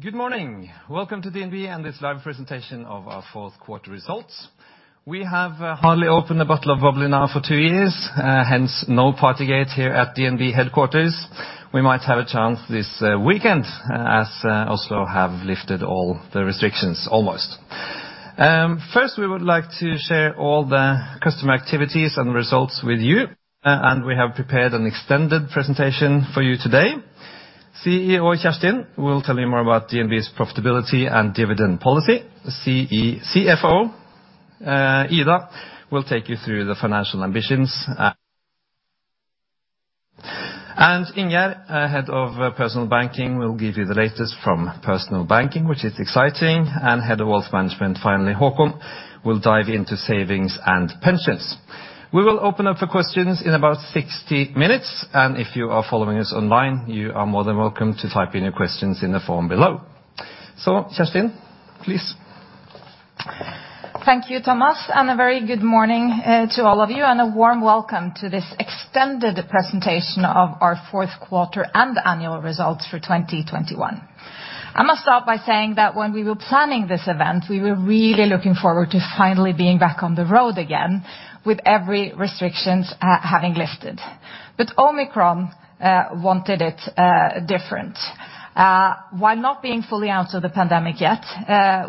Good morning. Welcome to DNB and this live presentation of our fourth quarter results. We have hardly opened a bottle of bubbly now for two years, hence no Partygate here at DNB headquarters. We might have a chance this weekend as Oslo have lifted all the restrictions, almost. First, we would like to share all the customer activities and results with you, and we have prepared an extended presentation for you today. CEO Kjerstin will tell you more about DNB's profitability and dividend policy. CFO Ida will take you through the financial ambitions. Ingjerd, Head of Personal Banking, will give you the latest from Personal Banking, which is exciting. Head of Wealth Management, finally, Håkon, will dive into savings and pensions. We will open up for questions in about 60 minutes, and if you are following us online, you are more than welcome to type in your questions in the form below. Kjerstin, please. Thank you, Thomas, and a very good morning to all of you, and a warm welcome to this extended presentation of our fourth quarter and annual results for 2021. I must start by saying that when we were planning this event, we were really looking forward to finally being back on the road again with all restrictions having lifted. Omicron wanted it different. While not being fully out of the pandemic yet,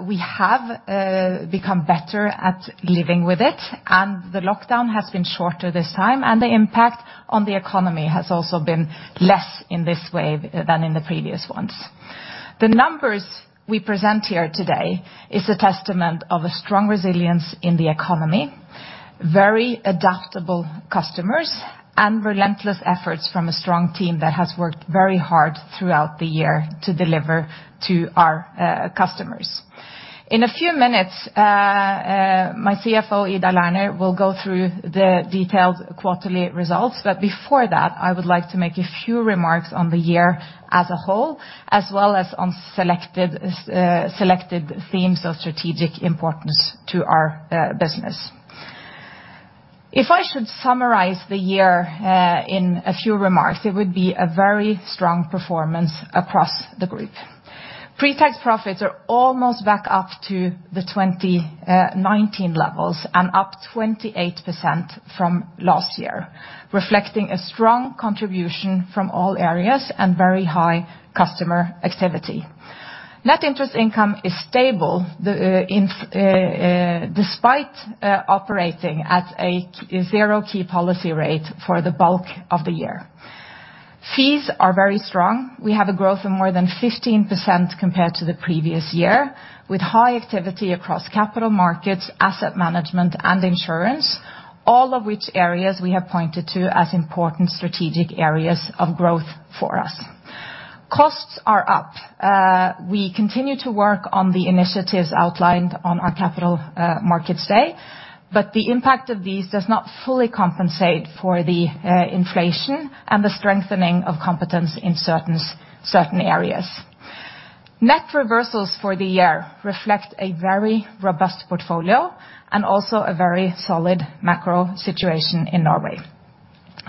we have become better at living with it, and the lockdown has been shorter this time, and the impact on the economy has also been less in this wave than in the previous ones. The numbers we present here today is a testament of a strong resilience in the economy, very adaptable customers, and relentless efforts from a strong team that has worked very hard throughout the year to deliver to our customers. In a few minutes, my CFO, Ida Lerner, will go through the detailed quarterly results, but before that, I would like to make a few remarks on the year as a whole, as well as on selected themes of strategic importance to our business. If I should summarize the year in a few remarks, it would be a very strong performance across the group. Pre-tax profits are almost back up to the 2019 levels and up 28% from last year, reflecting a strong contribution from all areas and very high customer activity. Net interest income is stable despite operating at a zero key policy rate for the bulk of the year. Fees are very strong. We have a growth of more than 15% compared to the previous year, with high activity across capital markets, asset management and insurance, all of which areas we have pointed to as important strategic areas of growth for us. Costs are up. We continue to work on the initiatives outlined on our Capital Markets Day, but the impact of these does not fully compensate for the inflation and the strengthening of competence in certain areas. Net reversals for the year reflect a very robust portfolio and also a very solid macro situation in Norway.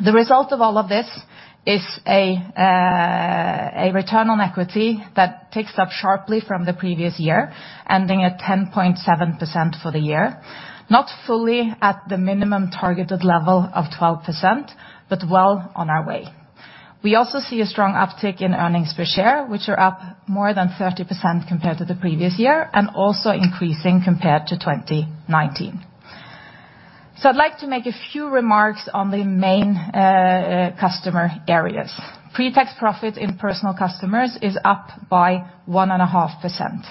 The result of all of this is a return on equity that picks up sharply from the previous year, ending at 10.7% for the year. Not fully at the minimum targeted level of 12%, but well on our way. We also see a strong uptick in earnings per share, which are up more than 30% compared to the previous year and also increasing compared to 2019. I'd like to make a few remarks on the main customer areas. Pre-tax profit in personal customers is up by 1.5%.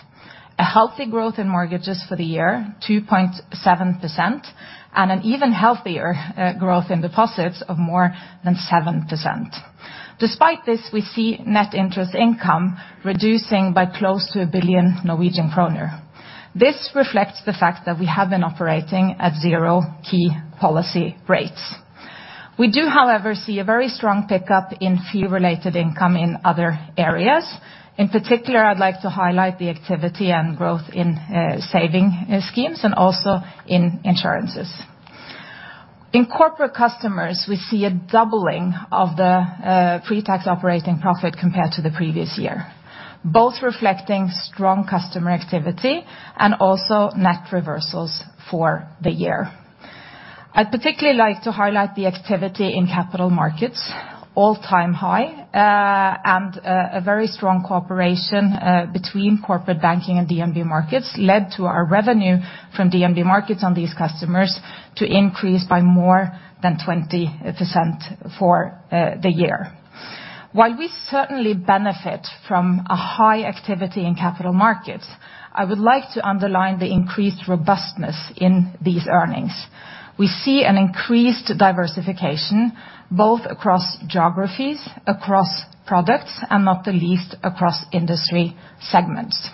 A healthy growth in mortgages for the year, 2.7%, and an even healthier growth in deposits of more than 7%. Despite this, we see net interest income reducing by close to 1 billion Norwegian kroner. This reflects the fact that we have been operating at zero key policy rates. We do, however, see a very strong pickup in fee-related income in other areas. In particular, I'd like to highlight the activity and growth in saving schemes and also in insurances. In corporate customers, we see a doubling of the pre-tax operating profit compared to the previous year, both reflecting strong customer activity and also net reversals for the year. I'd particularly like to highlight the activity in capital markets, all-time high, and a very strong cooperation between corporate banking and DNB Markets led to our revenue from DNB Markets on these customers to increase by more than 20% for the year. While we certainly benefit from a high activity in capital markets, I would like to underline the increased robustness in these earnings. We see an increased diversification, both across geographies, across products, and not the least across industry segments.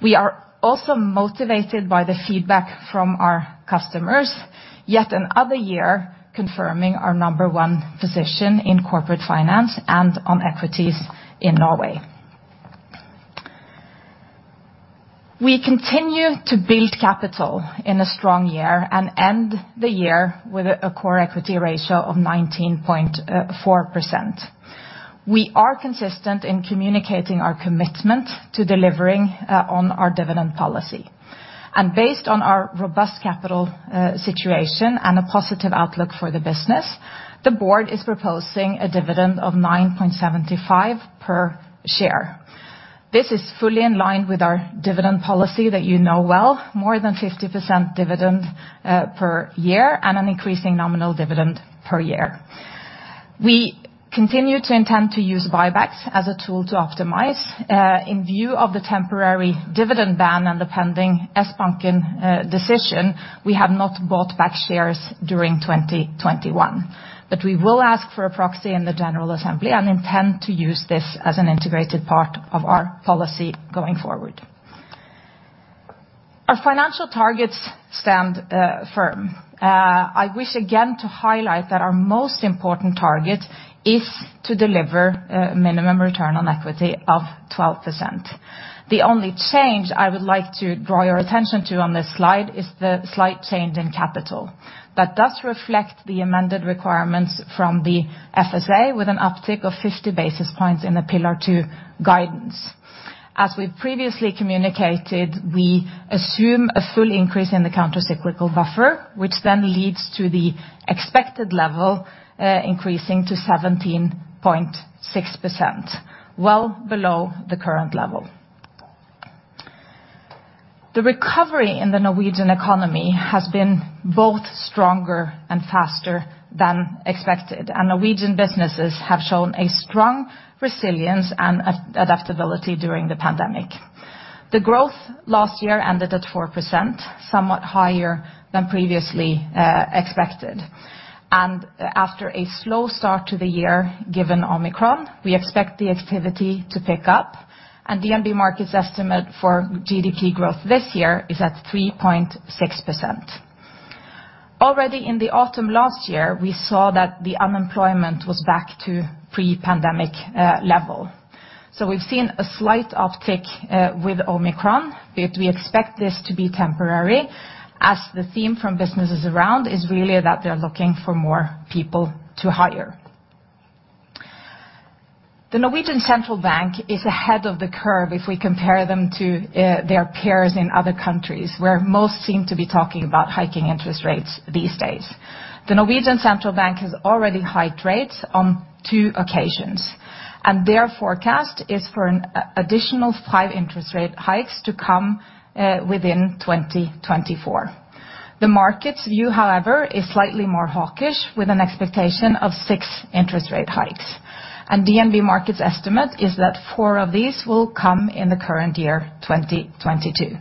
We are also motivated by the feedback from our customers, yet another year confirming our number one position in corporate finance and on equities in Norway. We continue to build capital in a strong year and end the year with a core equity ratio of 19.4%. We are consistent in communicating our commitment to delivering on our dividend policy. Based on our robust capital situation and a positive outlook for the business, the board is proposing a dividend of 9.75 per share. This is fully in line with our dividend policy that you know well, more than 50% dividend per year and an increasing nominal dividend per year. We continue to intend to use buybacks as a tool to optimize. In view of the temporary dividend ban and the pending Sbanken decision, we have not bought back shares during 2021. We will ask for a proxy in the general assembly and intend to use this as an integrated part of our policy going forward. Our financial targets stand firm. I wish again to highlight that our most important target is to deliver minimum return on equity of 12%. The only change I would like to draw your attention to on this slide is the slight change in capital. That does reflect the amended requirements from the FSA with an uptick of 50 basis points in the Pillar 2 guidance. As we've previously communicated, we assume a full increase in the countercyclical buffer, which then leads to the expected level increasing to 17.6%, well below the current level. The recovery in the Norwegian economy has been both stronger and faster than expected, and Norwegian businesses have shown a strong resilience and adaptability during the pandemic. The growth last year ended at 4%, somewhat higher than previously expected. After a slow start to the year, given Omicron, we expect the activity to pick up, and DNB Markets' estimate for GDP growth this year is at 3.6%. Already in the autumn last year, we saw that the unemployment was back to pre-pandemic level. We've seen a slight uptick with Omicron, but we expect this to be temporary, as the theme from businesses around is really that they're looking for more people to hire. Norges Bank is ahead of the curve if we compare them to their peers in other countries, where most seem to be talking about hiking interest rates these days. Norges Central Bank has already hiked rates on two occasions, and their forecast is for an additional five interest rate hikes to come within 2024. The market's view, however, is slightly more hawkish, with an expectation of six interest rate hikes. DNB Markets' estimate is that four of these will come in the current year, 2022.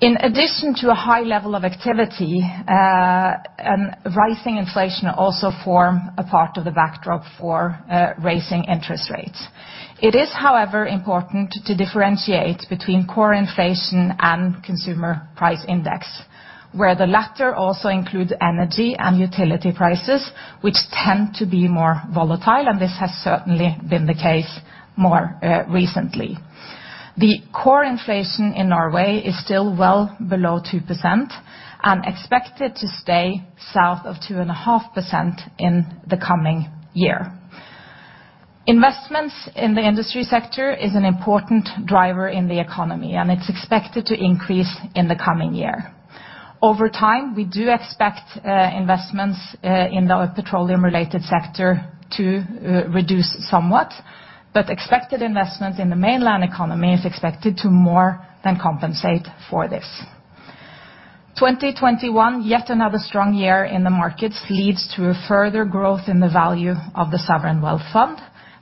In addition to a high level of activity and rising inflation also form a part of the backdrop for raising interest rates. It is, however, important to differentiate between core inflation and consumer price index, where the latter also includes energy and utility prices, which tend to be more volatile, and this has certainly been the case more recently. The core inflation in Norway is still well below 2% and expected to stay south of 2.5% in the coming year. Investments in the industry sector is an important driver in the economy, and it's expected to increase in the coming year. Over time, we do expect investments in the petroleum-related sector to reduce somewhat, but expected investments in the mainland economy is expected to more than compensate for this. 2021, yet another strong year in the markets, leads to a further growth in the value of the sovereign wealth fund,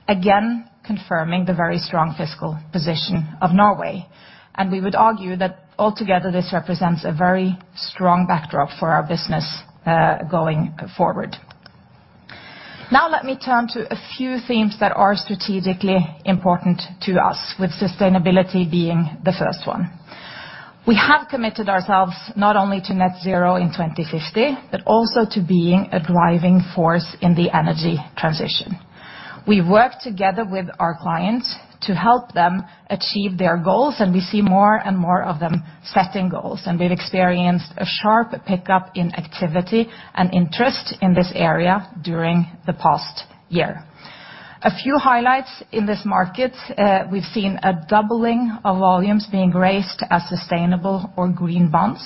again confirming the very strong fiscal position of Norway. We would argue that altogether this represents a very strong backdrop for our business, going forward. Now let me turn to a few themes that are strategically important to us, with sustainability being the first one. We have committed ourselves not only to net zero in 2050, but also to being a driving force in the energy transition. We work together with our clients to help them achieve their goals, and we see more and more of them setting goals. We've experienced a sharp pickup in activity and interest in this area during the past year. A few highlights in this market, we've seen a doubling of volumes being raised as sustainable or green bonds,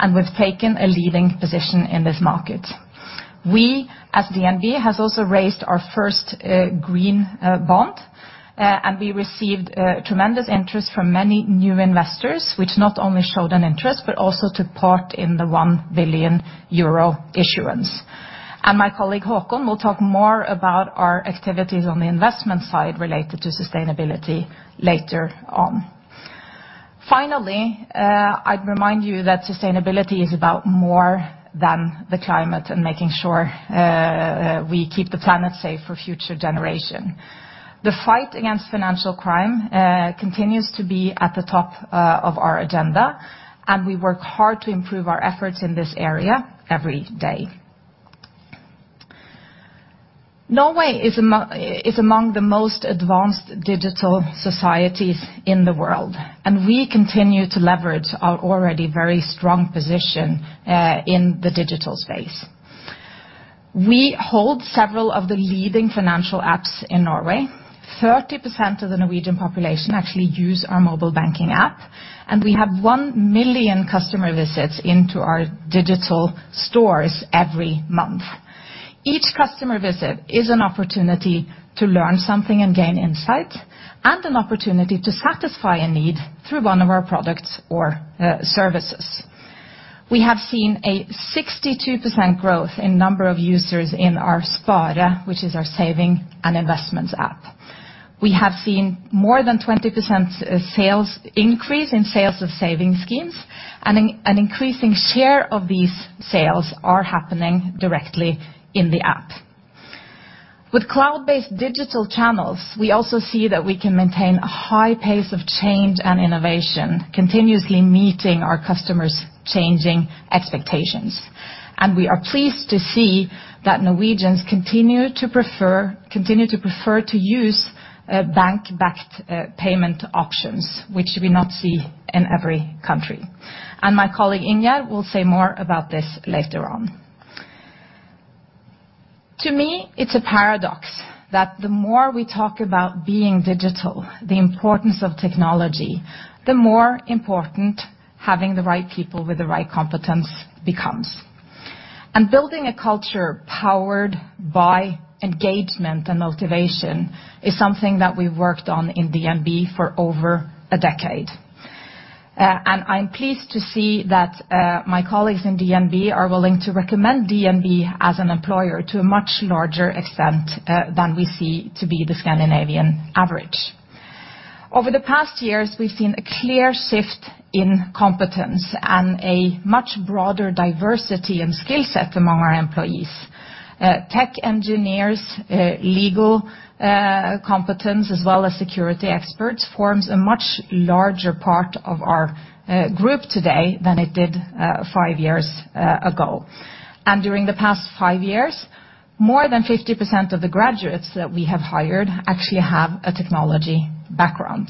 and we've taken a leading position in this market. We at DNB has also raised our first green bond and we received tremendous interest from many new investors, which not only showed an interest, but also took part in the 1 billion euro issuance. My colleague Håkon will talk more about our activities on the investment side related to sustainability later on. Finally, I'd remind you that sustainability is about more than the climate and making sure we keep the planet safe for future generation. The fight against financial crime continues to be at the top of our agenda, and we work hard to improve our efforts in this area every day. Norway is among the most advanced digital societies in the world, and we continue to leverage our already very strong position in the digital space. We hold several of the leading financial apps in Norway. 30% of the Norwegian population actually use our mobile banking app, and we have 1 million customer visits into our digital stores every month. Each customer visit is an opportunity to learn something and gain insight, and an opportunity to satisfy a need through one of our products or services. We have seen a 62% growth in number of users in our Spare, which is our savings and investments app. We have seen more than 20% sales increase in sales of savings schemes, and increasing share of these sales are happening directly in the app. With cloud-based digital channels, we also see that we can maintain a high pace of change and innovation, continuously meeting our customers' changing expectations. We are pleased to see that Norwegians continue to prefer to use bank-backed payment options, which we don't see in every country. My colleague, Ingjerd, will say more about this later on. To me, it's a paradox that the more we talk about being digital, the importance of technology, the more important having the right people with the right competence becomes. Building a culture powered by engagement and motivation is something that we've worked on in DNB for over a decade. I'm pleased to see that my colleagues in DNB are willing to recommend DNB as an employer to a much larger extent than we see to be the Scandinavian average. Over the past years, we've seen a clear shift in competence and a much broader diversity and skill set among our employees. Tech engineers, legal, competence, as well as security experts, forms a much larger part of our group today than it did five years ago. During the past five years, more than 50% of the graduates that we have hired actually have a technology background.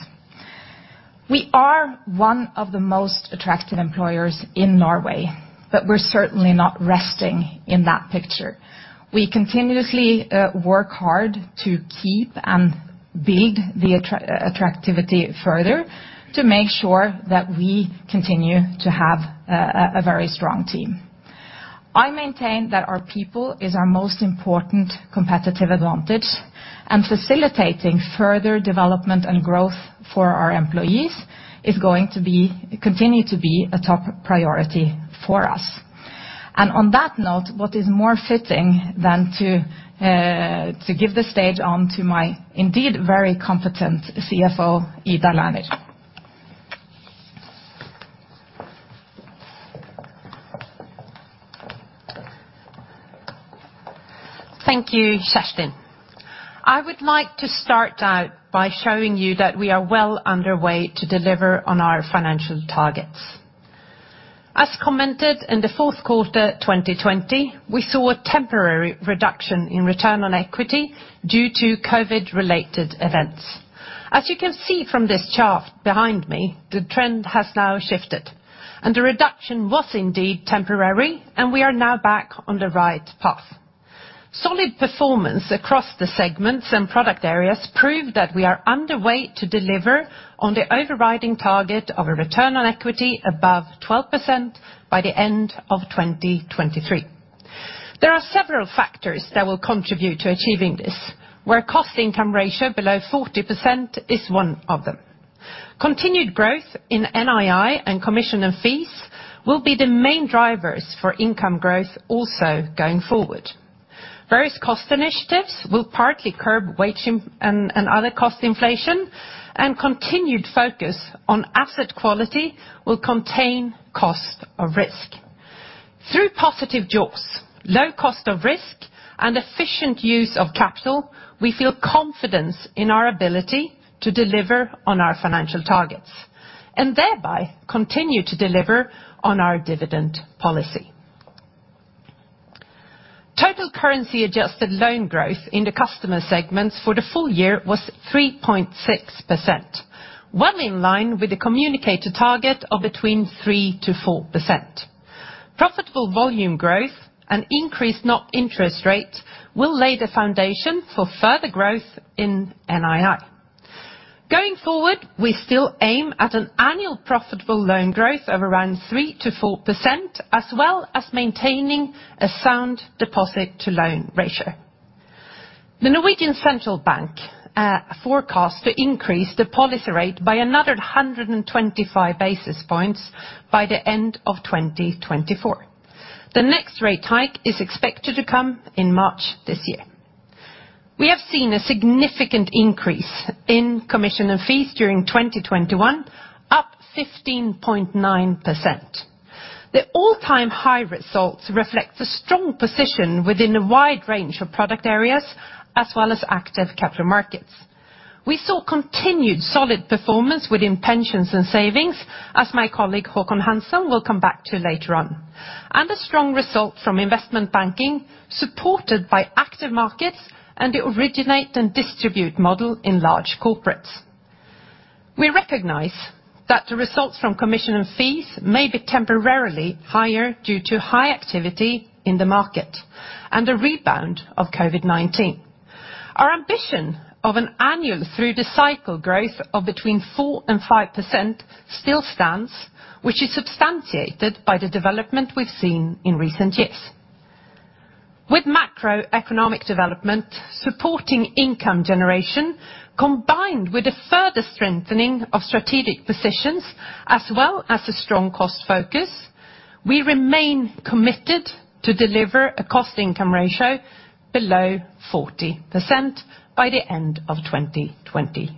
We are one of the most attractive employers in Norway, but we're certainly not resting in that picture. We continuously work hard to keep and build the attractivity further to make sure that we continue to have a very strong team. I maintain that our people is our most important competitive advantage, and facilitating further development and growth for our employees is going to continue to be a top priority for us. On that note, what is more fitting than to give the stage on to my indeed very competent CFO, Ida Lerner? Thank you, Kjerstin. I would like to start out by showing you that we are well underway to deliver on our financial targets. As commented in the fourth quarter 2020, we saw a temporary reduction in return on equity due to COVID-related events. As you can see from this chart behind me, the trend has now shifted, and the reduction was indeed temporary, and we are now back on the right path. Solid performance across the segments and product areas prove that we are underway to deliver on the overriding target of a return on equity above 12% by the end of 2023. There are several factors that will contribute to achieving this, where cost income ratio below 40% is one of them. Continued growth in NII and commission and fees will be the main drivers for income growth also going forward. Various cost initiatives will partly curb wage and other cost inflation, and continued focus on asset quality will contain cost of risk. Through positive jaws, low cost of risk, and efficient use of capital, we feel confidence in our ability to deliver on our financial targets, and thereby continue to deliver on our dividend policy. Total currency adjusted loan growth in the customer segments for the full year was 3.6%, well in line with the communicated target of between 3%-4%. Profitable volume growth and increased net interest rate will lay the foundation for further growth in NII. Going forward, we still aim at an annual profitable loan growth of around 3%-4%, as well as maintaining a sound deposit to loan ratio. Norges Bank forecast to increase the policy rate by another 125 basis points by the end of 2024. The next rate hike is expected to come in March this year. We have seen a significant increase in commissions and fees during 2021, up 15.9%. The all-time high results reflect the strong position within a wide range of product areas, as well as active capital markets. We saw continued solid performance within pensions and savings, as my colleague Håkon Hansen will come back to later on, and a strong result from investment banking supported by active markets and the originate and distribute model in large corporates. We recognize that the results from commissions and fees may be temporarily higher due to high activity in the market and a rebound of COVID-19. Our ambition of an annual through-the-cycle growth of between 4% and 5% still stands, which is substantiated by the development we've seen in recent years. With macroeconomic development supporting income generation, combined with a further strengthening of strategic positions, as well as a strong cost focus, we remain committed to deliver a cost income ratio below 40% by the end of 2023.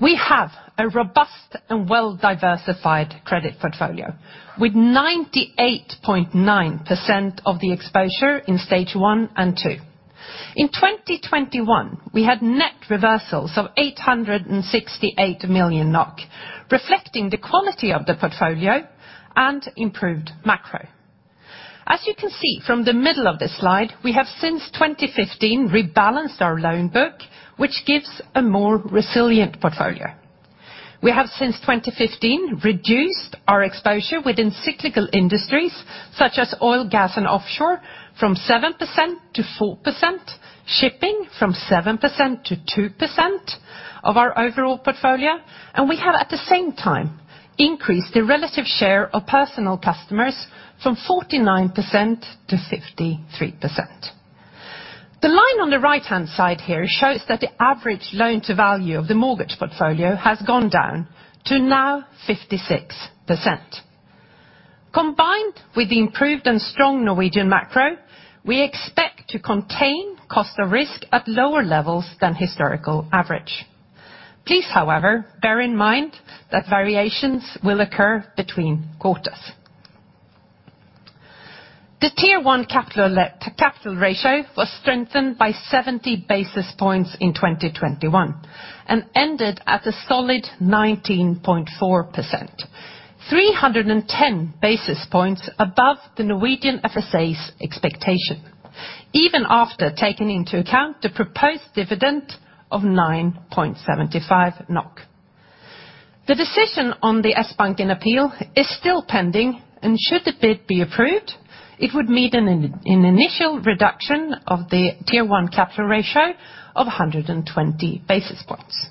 We have a robust and well-diversified credit portfolio, with 98.9% of the exposure in stage one and two. In 2021, we had net reversals of 868 million NOK, reflecting the quality of the portfolio and improved macro. As you can see from the middle of this slide, we have since 2015 rebalanced our loan book, which gives a more resilient portfolio. We have since 2015 reduced our exposure within cyclical industries such as oil, gas, and offshore from 7%-4%, shipping from 7%-2% of our overall portfolio, and we have at the same time increased the relative share of personal customers from 49%-53%. The line on the right-hand side here shows that the average loan-to-value of the mortgage portfolio has gone down to now 56%. Combined with the improved and strong Norwegian macro, we expect to contain cost of risk at lower levels than historical average. Please, however, bear in mind that variations will occur between quarters. The Tier 1 capital ratio was strengthened by 70 basis points in 2021, and ended at a solid 19.4%, 310 basis points above the Norwegian FSA's expectation, even after taking into account the proposed dividend of 9.75 NOK. The decision on the Sbanken appeal is still pending, and should the bid be approved, it would mean an initial reduction of the Tier 1 capital ratio of 120 basis points.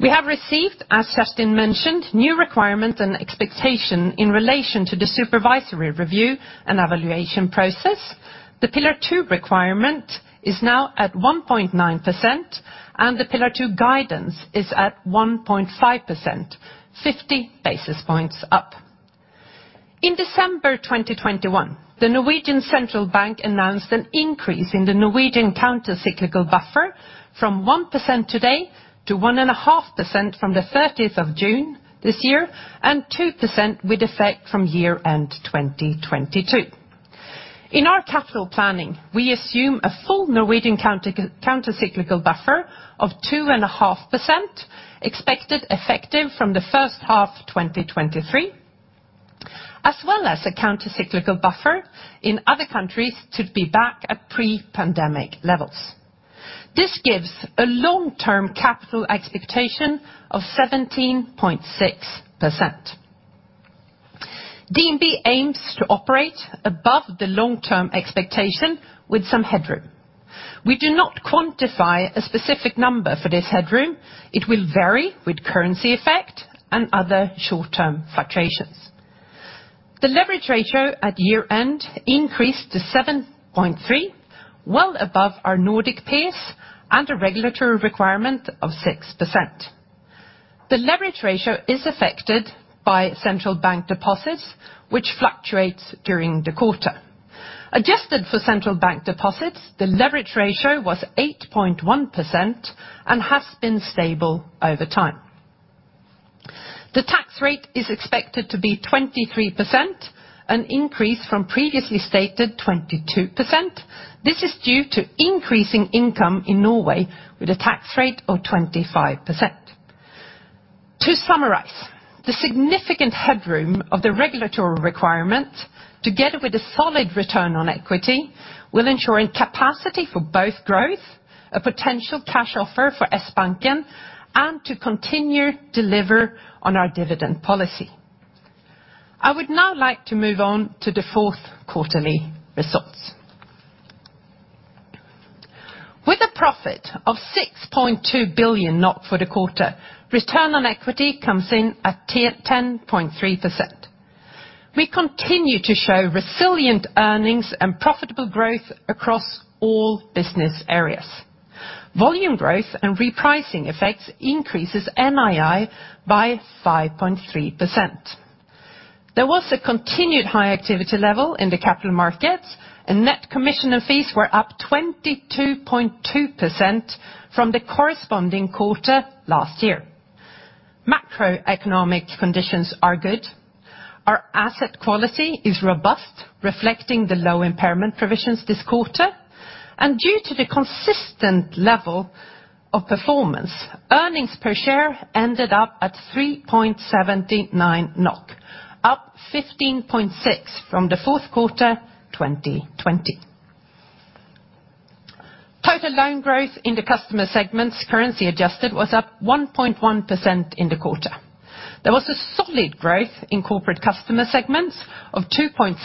We have received, as Kjerstin mentioned, new requirement and expectation in relation to the supervisory review and evaluation process. The Pillar 2 requirement is now at 1.9%, and the Pillar 2 guidance is at 1.5%, 50 basis points up. In December 2021, Norges Bank announced an increase in the Norwegian countercyclical buffer from 1% today to 1.5% from the 13th of June this year, and 2% with effect from year-end 2022. In our capital planning, we assume a full Norwegian countercyclical buffer of 2.5%, expected effective from the first half 2023, as well as a countercyclical buffer in other countries to be back at pre-pandemic levels. This gives a long-term capital expectation of 17.6%. DNB aims to operate above the long-term expectation with some headroom. We do not quantify a specific number for this headroom. It will vary with currency effect and other short-term fluctuations. The leverage ratio at year-end increased to 7.3, well above our Nordic peers and a regulatory requirement of 6%. The leverage ratio is affected by central bank deposits, which fluctuates during the quarter. Adjusted for central bank deposits, the leverage ratio was 8.1% and has been stable over time. The tax rate is expected to be 23%, an increase from previously stated 22%. This is due to increasing income in Norway with a tax rate of 25%. To summarize, the significant headroom of the regulatory requirement, together with a solid return on equity, will ensure a capacity for both growth, a potential cash offer for Sbanken, and to continue deliver on our dividend policy. I would now like to move on to the fourth quarter results. With a profit of 6.2 billion for the quarter, return on equity comes in at 10.3%. We continue to show resilient earnings and profitable growth across all business areas. Volume growth and repricing effects increases NII by 5.3%. There was a continued high activity level in the capital markets, and net commission and fees were up 22.2% from the corresponding quarter last year. Macroeconomic conditions are good. Our asset quality is robust, reflecting the low impairment provisions this quarter. Due to the consistent level of performance, earnings per share ended up at 3.79 NOK up 15.6% from the fourth quarter 2020. Total loan growth in the customer segments, currency adjusted, was up 1.1% in the quarter. There was a solid growth in corporate customer segments of 2.3%,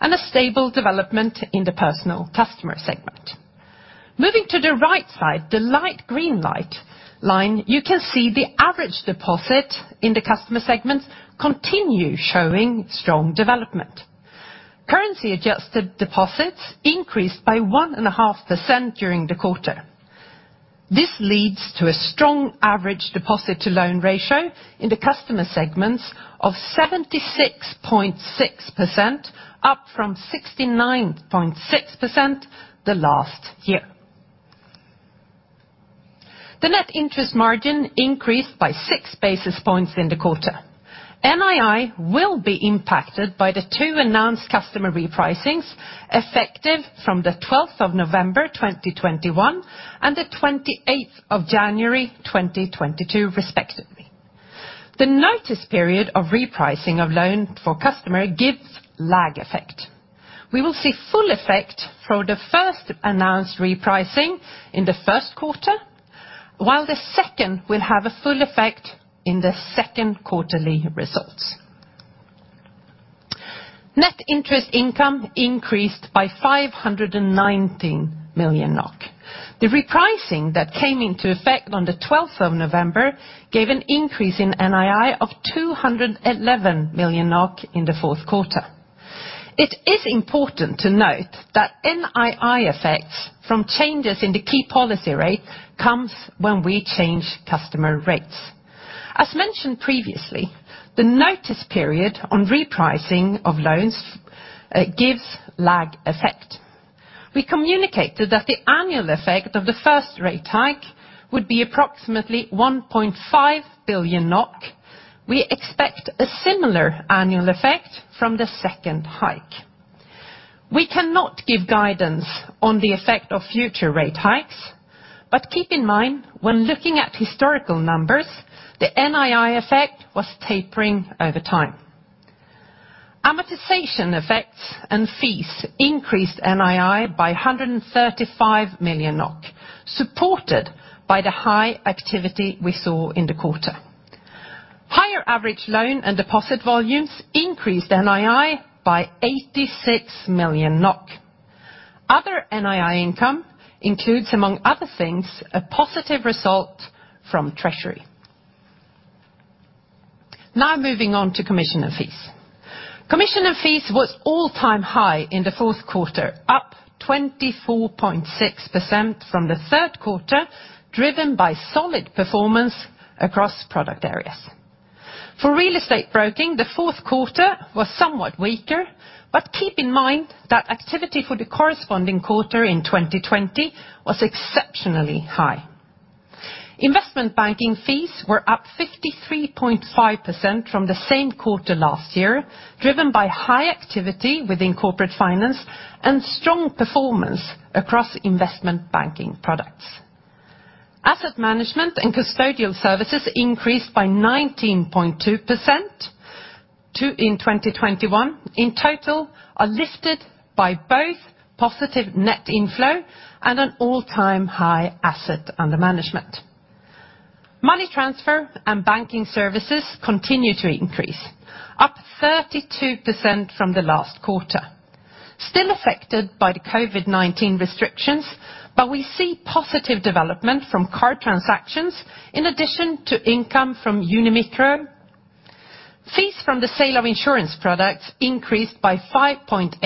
and a stable development in the personal customer segment. Moving to the right side, the light green line, you can see the average deposit in the customer segments continue showing strong development. Currency-adjusted deposits increased by 1.5% during the quarter. This leads to a strong average deposit-to-loan ratio in the customer segments of 76.6%, up from 69.6% last year. The net interest margin increased by 6 basis points in the quarter. NII will be impacted by the two announced customer repricings effective from 12th November 2021, and 28th January 2022 respectively. The notice period of repricing of loan for customer gives lag effect. We will see full effect for the first announced repricing in the first quarter, while the second will have a full effect in the second quarterly results. Net interest income increased by 519 million NOK. The repricing that came into effect on the 12th of November gave an increase in NII of 211 million NOK in the fourth quarter. It is important to note that NII effects from changes in the key policy rate comes when we change customer rates. As mentioned previously, the notice period on repricing of loans gives lag effect. We communicated that the annual effect of the first rate hike would be approximately 1.5 billion NOK. We expect a similar annual effect from the second hike. We cannot give guidance on the effect of future rate hikes, but keep in mind when looking at historical numbers, the NII effect was tapering over time. Amortization effects and fees increased NII by 135 million NOK, supported by the high activity we saw in the quarter. Higher average loan and deposit volumes increased NII by 86 million NOK. Other NII income includes, among other things, a positive result from treasury. Now moving on to commission and fees. Commission and fees was all-time high in the fourth quarter, up 24.6% from the third quarter, driven by solid performance across product areas. For real estate broking, the fourth quarter was somewhat weaker, but keep in mind that activity for the corresponding quarter in 2020 was exceptionally high. Investment banking fees were up 53.5% from the same quarter last year, driven by high activity within corporate finance and strong performance across investment banking products. Asset management and custodial services increased by 19.2% in 2021, in total are lifted by both positive net inflow and an all-time high asset under management. Money transfer and banking services continue to increase, up 32% from the last quarter. Still affected by the COVID-19 restrictions, but we see positive development from card transactions in addition to income from Unimicro. Fees from the sale of insurance products increased by 5.8%,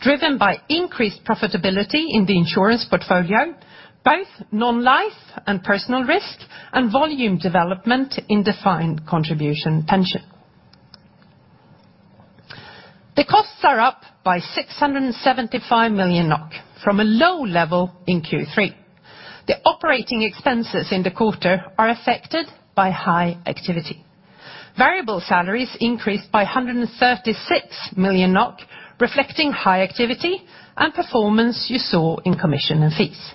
driven by increased profitability in the insurance portfolio, both non-life and personal risk, and volume development in defined contribution pension. The costs are up by 675 million NOK from a low level in Q3. The operating expenses in the quarter are affected by high activity. Variable salaries increased by 136 million NOK, reflecting high activity and performance you saw in commission and fees.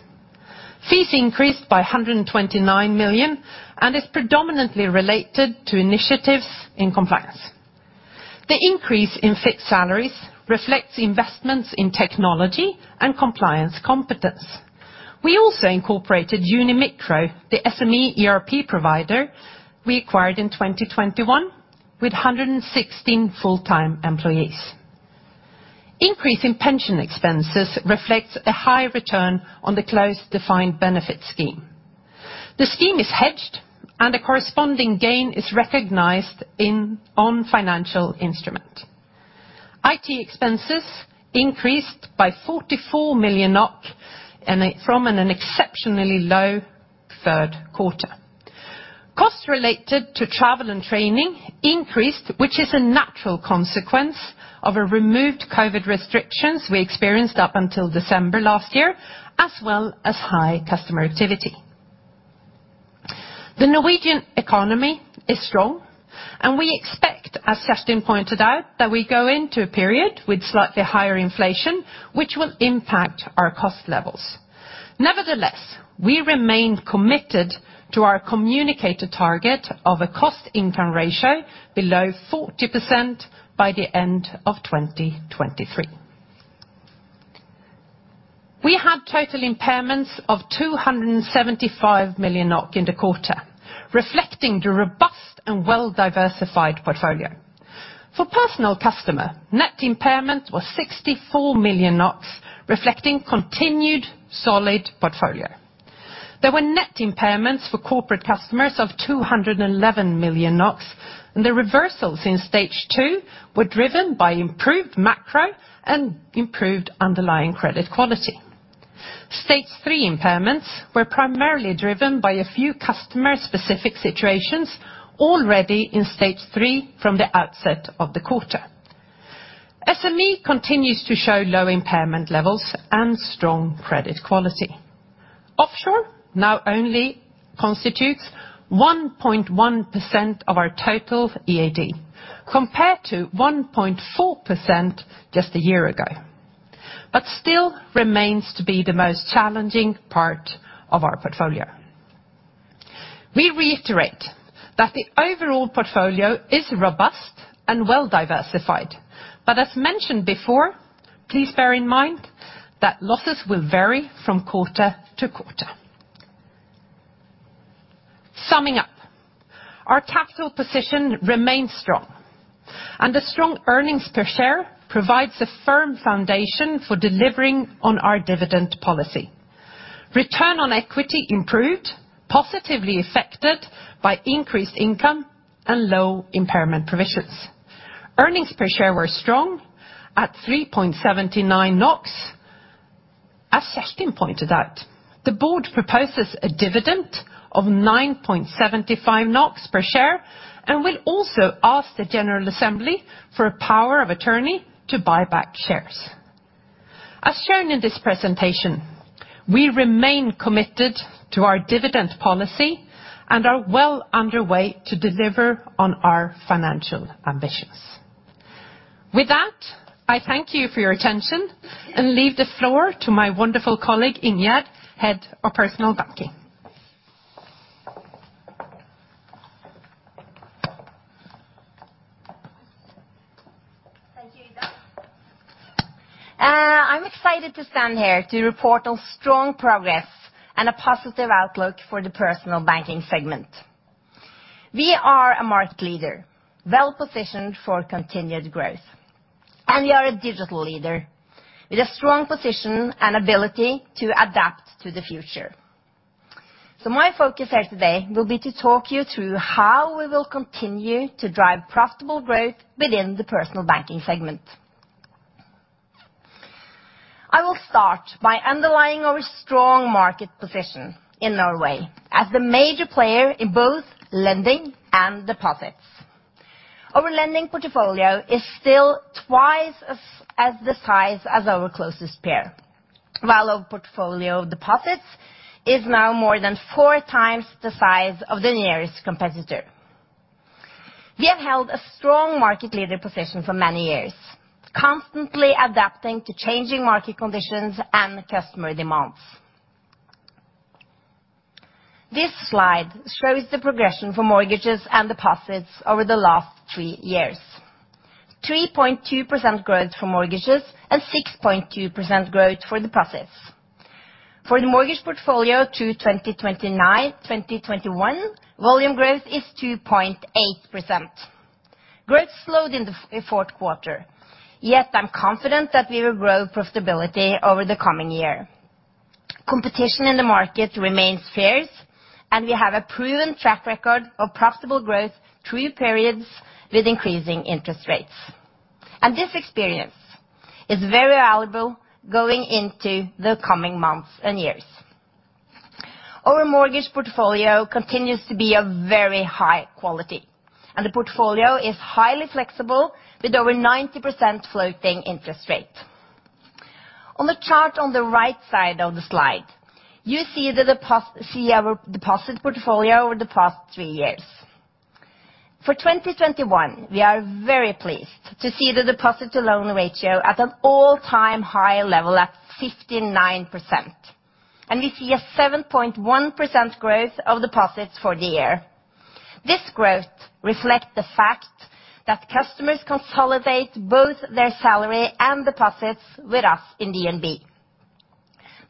Fees increased by 129 million, and is predominantly related to initiatives in compliance. The increase in fixed salaries reflects investments in technology and compliance competence. We also incorporated Unimicro, the SME ERP provider we acquired in 2021, with 116 full-time employees. Increase in pension expenses reflects a high return on the closed defined benefit scheme. The scheme is hedged, and a corresponding gain is recognized on financial instrument. IT expenses increased by 44 million NOK from an exceptionally low third quarter. Costs related to travel and training increased, which is a natural consequence of the removal of COVID restrictions we experienced up until December last year, as well as high customer activity. The Norwegian economy is strong, and we expect, as Kjerstin pointed out, that we go into a period with slightly higher inflation, which will impact our cost levels. Nevertheless, we remain committed to our communicated target of a cost income ratio below 40% by the end of 2023. We had total impairments of 275 million NOK in the quarter, reflecting the robust and well diversified portfolio. For personal customer, net impairment was 64 million, reflecting continued solid portfolio. There were net impairments for corporate customers of 211 million NOK, and the reversals in stage two were driven by improved macro and improved underlying credit quality. Stage three impairments were primarily driven by a few customer specific situations already in stage three from the outset of the quarter. SME continues to show low impairment levels and strong credit quality. Offshore now only constitutes 1.1% of our total EAD, compared to 1.4% just a year ago, but still remains to be the most challenging part of our portfolio. We reiterate that the overall portfolio is robust and well diversified. As mentioned before, please bear in mind that losses will vary from quarter-to-quarter. Summing up, our capital position remains strong, and the strong earnings per share provides a firm foundation for delivering on our dividend policy. Return on equity improved, positively affected by increased income and low impairment provisions. Earnings per share were strong at 3.79 NOK. As Kjerstin pointed out, the board proposes a dividend of 9.75 NOK per share and will also ask the general assembly for a power of attorney to buy back shares. As shown in this presentation, we remain committed to our dividend policy and are well underway to deliver on our financial ambitions. With that, I thank you for your attention and leave the floor to my wonderful colleague, Ingjerd, Head of Personal Banking. Thank you, Ida. I'm excited to stand here to report on strong progress and a positive outlook for the Personal Banking segment. We are a market leader, well positioned for continued growth, and we are a digital leader with a strong position and ability to adapt to the future. My focus here today will be to talk you through how we will continue to drive profitable growth within the Personal Banking segment. I will start by underlining our strong market position in Norway as the major player in both lending and deposits. Our lending portfolio is still twice the size of our closest peer, while our portfolio of deposits is now more than four times the size of the nearest competitor. We have held a strong market leader position for many years, constantly adapting to changing market conditions and customer demands. This slide shows the progression for mortgages and deposits over the last three years. 3.2% growth for mortgages and 6.2% growth for deposits. For the mortgage portfolio from 2019 to 2021, volume growth is 2.8%. Growth slowed in the fourth quarter, yet I'm confident that we will grow profitability over the coming year. Competition in the market remains fierce, and we have a proven track record of profitable growth through periods with increasing interest rates. This experience is very valuable going into the coming months and years. Our mortgage portfolio continues to be of very high quality, and the portfolio is highly flexible with over 90% floating interest rate. On the chart on the right side of the slide, you see our deposit portfolio over the past three years. For 2021, we are very pleased to see the deposit to loan ratio at an all-time high level at 59%, and we see a 7.1% growth of deposits for the year. This growth reflect the fact that customers consolidate both their salary and deposits with us in DNB.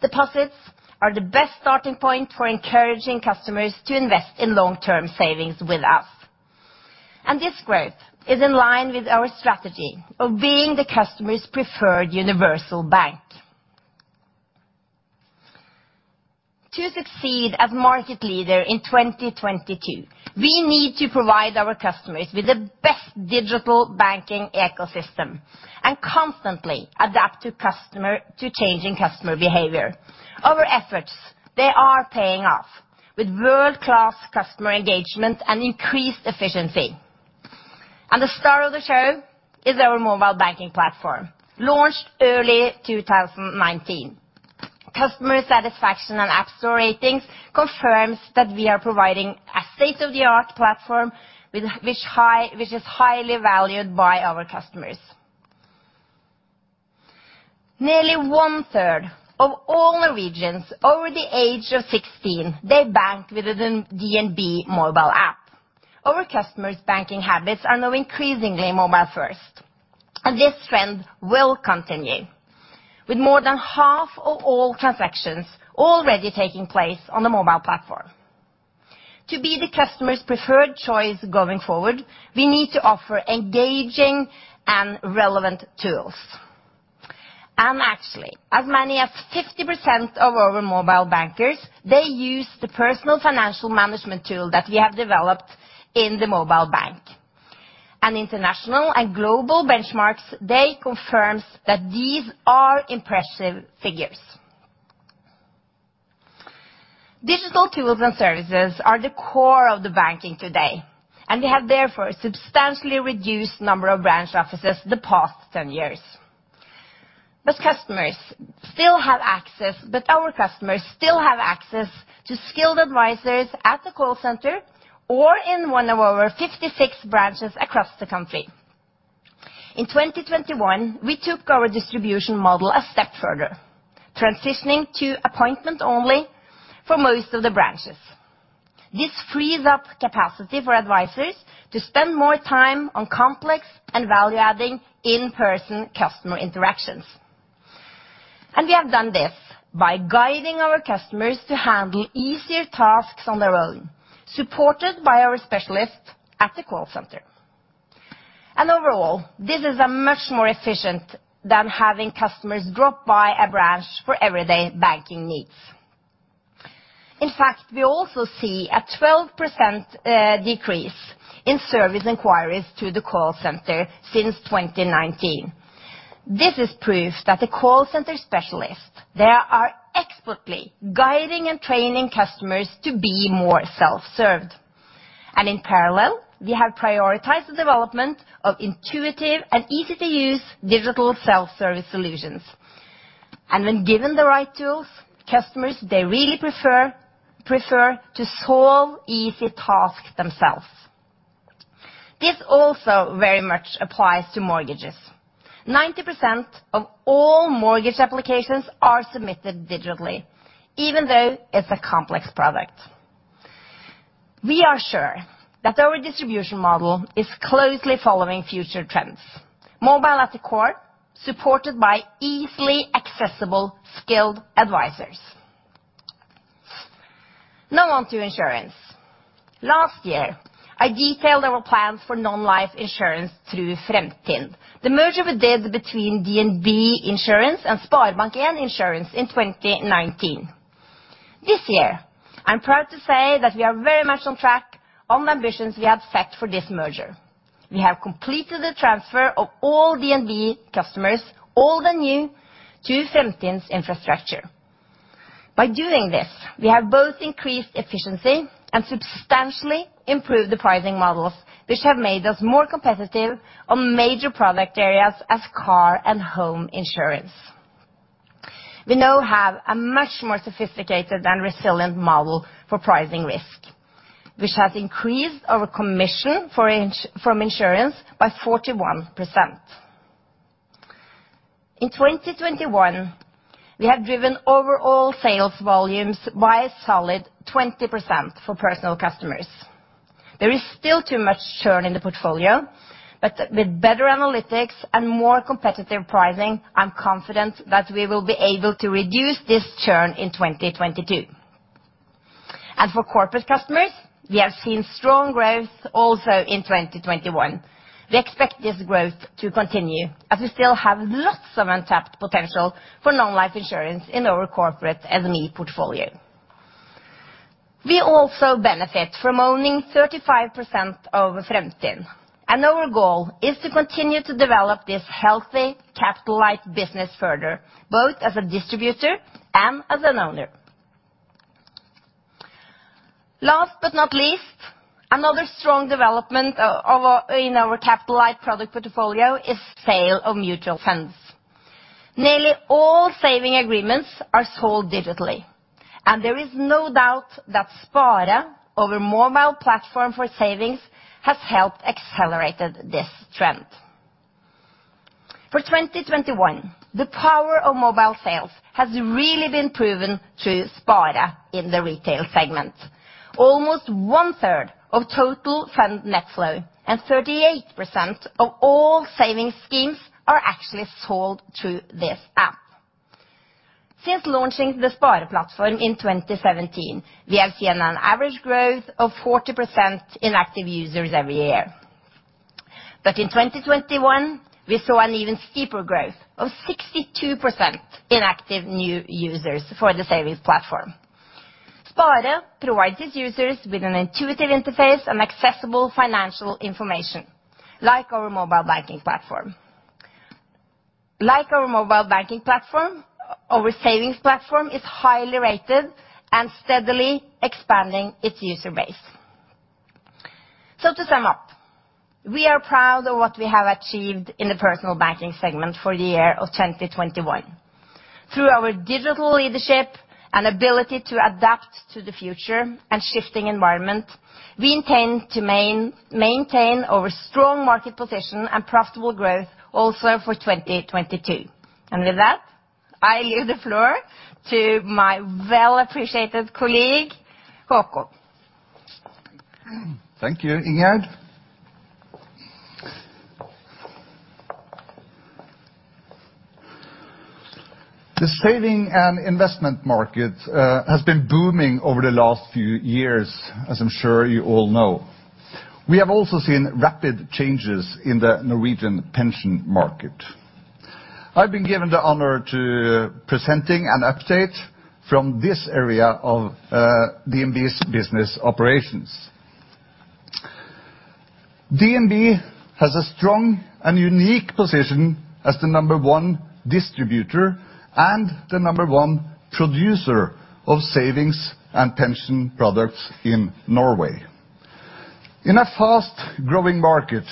Deposits are the best starting point for encouraging customers to invest in long-term savings with us, and this growth is in line with our strategy of being the customer's preferred universal bank. To succeed as market leader in 2022, we need to provide our customers with the best digital banking ecosystem and constantly adapt to changing customer behavior. Our efforts, they are paying off with world-class customer engagement and increased efficiency. The star of the show is our mobile banking platform, launched early 2019. Customer satisfaction and app store ratings confirm that we are providing a state-of-the-art platform which is highly valued by our customers. Nearly one-third of all Norwegians over the age of 16, they bank with the DNB mobile app. Our customers' banking habits are now increasingly mobile first, and this trend will continue, with more than half of all transactions already taking place on the mobile platform. To be the customer's preferred choice going forward, we need to offer engaging and relevant tools. Actually, as many as 50% of our mobile bankers, they use the personal financial management tool that we have developed in the mobile bank. International and global benchmarks, they confirm that these are impressive figures. Digital tools and services are the core of the banking today, and we have therefore substantially reduced number of branch offices the past 10 years. Our customers still have access to skilled advisors at the call center or in one of our 56 branches across the country. In 2021, we took our distribution model a step further, transitioning to appointment only for most of the branches. This frees up capacity for advisors to spend more time on complex and value-adding in-person customer interactions. We have done this by guiding our customers to handle easier tasks on their own, supported by our specialists at the call center. Overall, this is much more efficient than having customers drop by a branch for everyday banking needs. In fact, we also see a 12% decrease in service inquiries to the call center since 2019. This is proof that the call center specialists, they are expertly guiding and training customers to be more self-served. In parallel, we have prioritized the development of intuitive and easy-to-use digital self-service solutions. When given the right tools, customers, they really prefer to solve easy tasks themselves. This also very much applies to mortgages. 90% of all mortgage applications are submitted digitally, even though it's a complex product. We are sure that our distribution model is closely following future trends, mobile at the core, supported by easily accessible, skilled advisors. Now on to insurance. Last year, I detailed our plans for non-life insurance through Fremtind, the merger we did between DNB Forsikring and SpareBank 1 Skadeforsikring in 2019. This year, I'm proud to say that we are very much on track on the ambitions we had set for this merger. We have completed the transfer of all DNB customers, old and new, to Fremtind's infrastructure. By doing this, we have both increased efficiency and substantially improved the pricing models, which have made us more competitive on major product areas as car and home insurance. We now have a much more sophisticated and resilient model for pricing risk, which has increased our income from insurance by 41%. In 2021, we have driven overall sales volumes by a solid 20% for personal customers. There is still too much churn in the portfolio, but with better analytics and more competitive pricing, I'm confident that we will be able to reduce this churn in 2022. For corporate customers, we have seen strong growth also in 2021. We expect this growth to continue as we still have lots of untapped potential for non-life insurance in our corporate SME portfolio. We also benefit from owning 35% of Fremtind, and our goal is to continue to develop this healthy capital light business further, both as a distributor and as an owner. Last but not least, another strong development in our capital light product portfolio is sale of mutual funds. Nearly all saving agreements are sold digitally, and there is no doubt that Spare, our mobile platform for savings, has helped accelerate this trend. For 2021, the power of mobile sales has really been proven through Spare in the retail segment. Almost 1/3 of total fund net flow and 38% of all savings schemes are actually sold through this app. Since launching the Spare platform in 2017, we have seen an average growth of 40% in active users every year. In 2021, we saw an even steeper growth of 62% in active new users for the savings platform. Spare provides its users with an intuitive interface and accessible financial information, like our mobile banking platform. Like our mobile banking platform, our savings platform is highly rated and steadily expanding its user base. To sum up, we are proud of what we have achieved in the Personal Banking segment for the year of 2021. Through our digital leadership and ability to adapt to the future and shifting environment, we intend to maintain our strong market position and profitable growth also for 2022. With that, I leave the floor to my well appreciated colleague, Håkon. Thank you, Ingjerd. The savings and investment market has been booming over the last few years, as I'm sure you all know. We have also seen rapid changes in the Norwegian pension market. I've been given the honor to present an update from this area of DNB's business operations. DNB has a strong and unique position as the number one distributor and the number one producer of savings and pension products in Norway. In a fast growing market,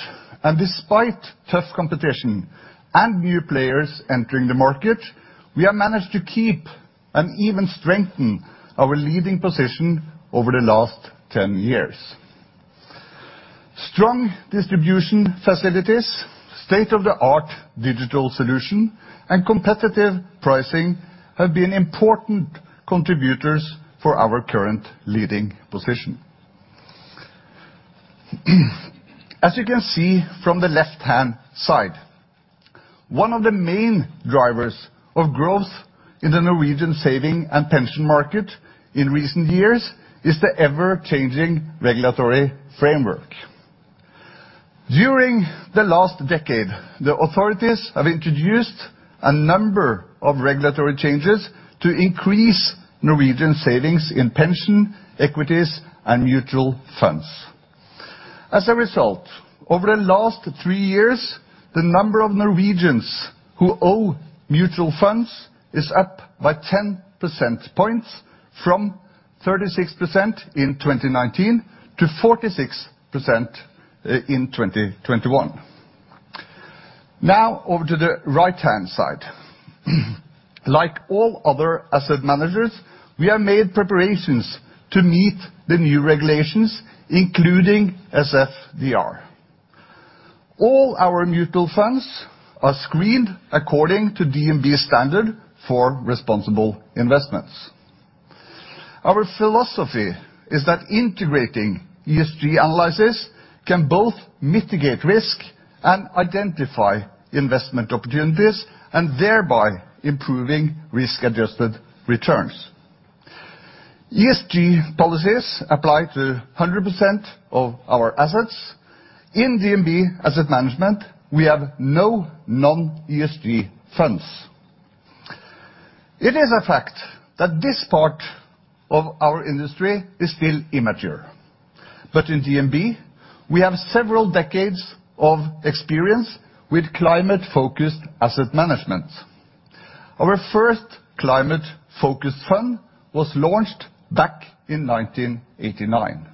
and despite tough competition and new players entering the market, we have managed to keep and even strengthen our leading position over the last 10 years. Strong distribution facilities, state-of-the-art digital solution, and competitive pricing have been important contributors for our current leading position. As you can see from the left-hand side, one of the main drivers of growth in the Norwegian saving and pension market in recent years is the ever-changing regulatory framework. During the last decade, the authorities have introduced a number of regulatory changes to increase Norwegian savings in pension, equities, and mutual funds. As a result, over the last three years, the number of Norwegians who own mutual funds is up by 10 percentage points from 36% in 2019 to 46% in 2021. Now, over to the right-hand side. Like all other asset managers, we have made preparations to meet the new regulations, including SFDR. All our mutual funds are screened according to DNB standard for responsible investments. Our philosophy is that integrating ESG analysis can both mitigate risk and identify investment opportunities, and thereby improving risk-adjusted returns. ESG policies apply to 100% of our assets. In DNB Asset Management, we have no non-ESG funds. It is a fact that this part of our industry is still immature. In DNB, we have several decades of experience with climate-focused asset management. Our first climate-focused fund was launched back in 1989.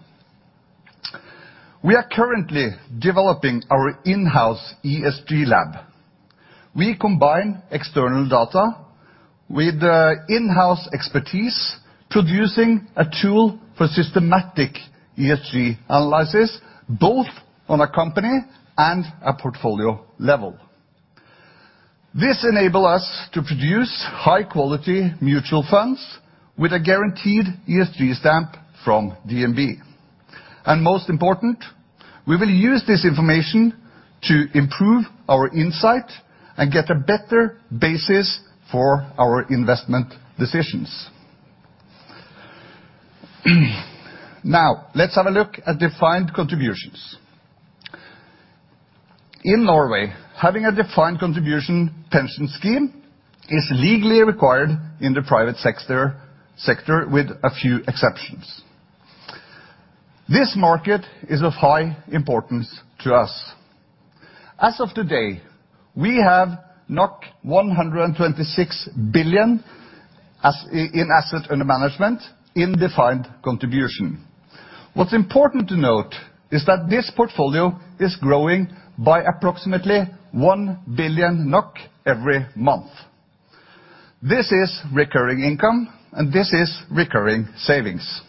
We are currently developing our in-house ESG Lab. We combine external data with in-house expertise, producing a tool for systematic ESG analysis, both on a company and a portfolio level. This enable us to produce high-quality mutual funds with a guaranteed ESG stamp from DNB. Most important, we will use this information to improve our insight and get a better basis for our investment decisions. Now, let's have a look at defined contribution. In Norway, having a defined contribution pension scheme is legally required in the private sector with a few exceptions. This market is of high importance to us. As of today, we have 126 billion in assets under management in defined contribution. What's important to note is that this portfolio is growing by approximately 1 billion NOK every month. This is recurring income, and this is recurring savings.